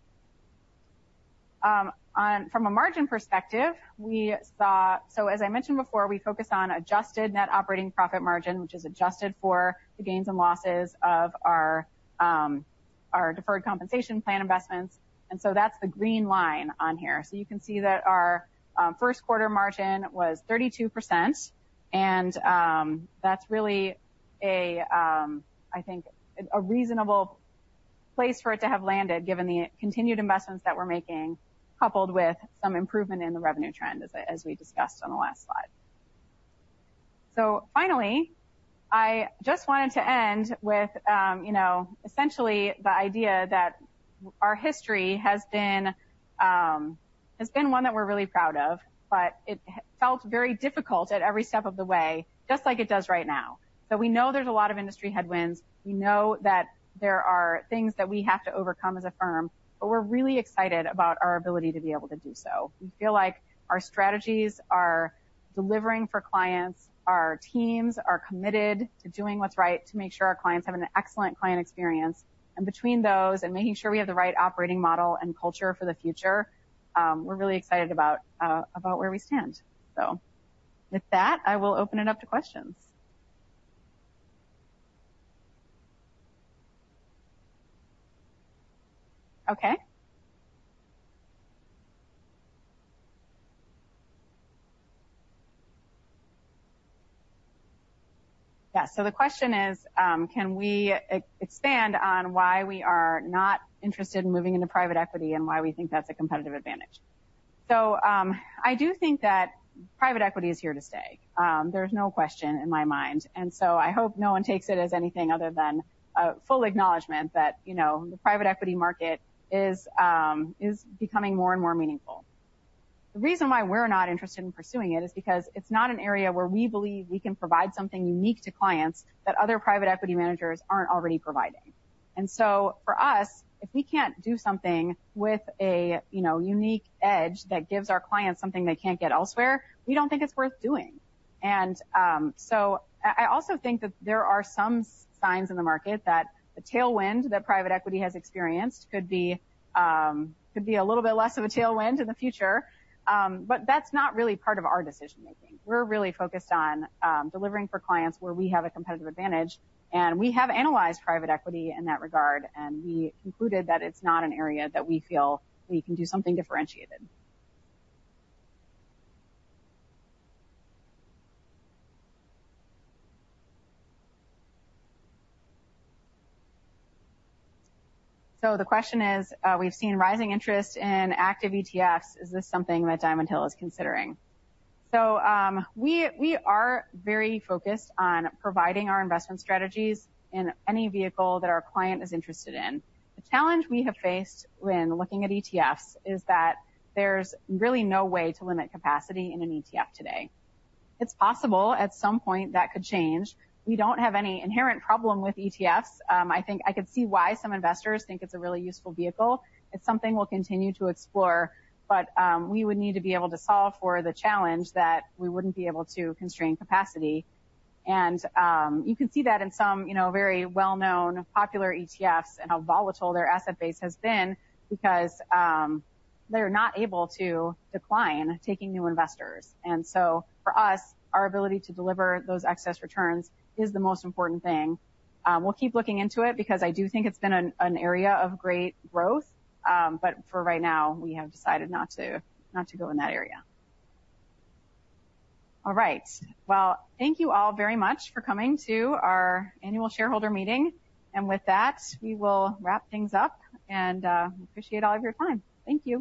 Speaker 3: On from a margin perspective, we saw, so as I mentioned before, we focus on adjusted net operating profit margin, which is adjusted for the gains and losses of our deferred compensation plan investments. And so that's the green line on here. So you can see that our first quarter margin was 32%. And that's really a, I think, a reasonable place for it to have landed given the continued investments that we're making coupled with some improvement in the revenue trend as we discussed on the last slide. So finally, I just wanted to end with, you know, essentially the idea that our history has been one that we're really proud of. But it felt very difficult at every step of the way, just like it does right now. So we know there's a lot of industry headwinds. We know that there are things that we have to overcome as a firm. But we're really excited about our ability to be able to do so. We feel like our strategies, our delivering for clients, our teams are committed to doing what's right to make sure our clients have an excellent client experience. And between those and making sure we have the right operating model and culture for the future, we're really excited about where we stand, so. With that, I will open it up to questions. Okay. Yeah. So the question is, can we expand on why we are not interested in moving into private equity and why we think that's a competitive advantage? I do think that private equity is here to stay. There's no question in my mind. I hope no one takes it as anything other than full acknowledgment that, you know, the private equity market is, is becoming more and more meaningful. The reason why we're not interested in pursuing it is because it's not an area where we believe we can provide something unique to clients that other private equity managers aren't already providing. For us, if we can't do something with a, you know, unique edge that gives our clients something they can't get elsewhere, we don't think it's worth doing. So I also think that there are some signs in the market that the tailwind that private equity has experienced could be, could be a little bit less of a tailwind in the future. But that's not really part of our decision-making. We're really focused on delivering for clients where we have a competitive advantage. And we have analyzed private equity in that regard. And we concluded that it's not an area that we feel we can do something differentiated. So the question is, we've seen rising interest in active ETFs. Is this something that Diamond Hill is considering? So, we are very focused on providing our investment strategies in any vehicle that our client is interested in. The challenge we have faced when looking at ETFs is that there's really no way to limit capacity in an ETF today. It's possible at some point that could change. We don't have any inherent problem with ETFs. I think I could see why some investors think it's a really useful vehicle. It's something we'll continue to explore. But we would need to be able to solve for the challenge that we wouldn't be able to constrain capacity. And you can see that in some, you know, very well-known, popular ETFs and how volatile their asset base has been because they're not able to decline taking new investors. And so for us, our ability to deliver those excess returns is the most important thing. We'll keep looking into it because I do think it's been an area of great growth. But for right now, we have decided not to go in that area. All right. Well, thank you all very much for coming to our annual shareholder meeting. And with that, we will wrap things up. We appreciate all of your time. Thank you.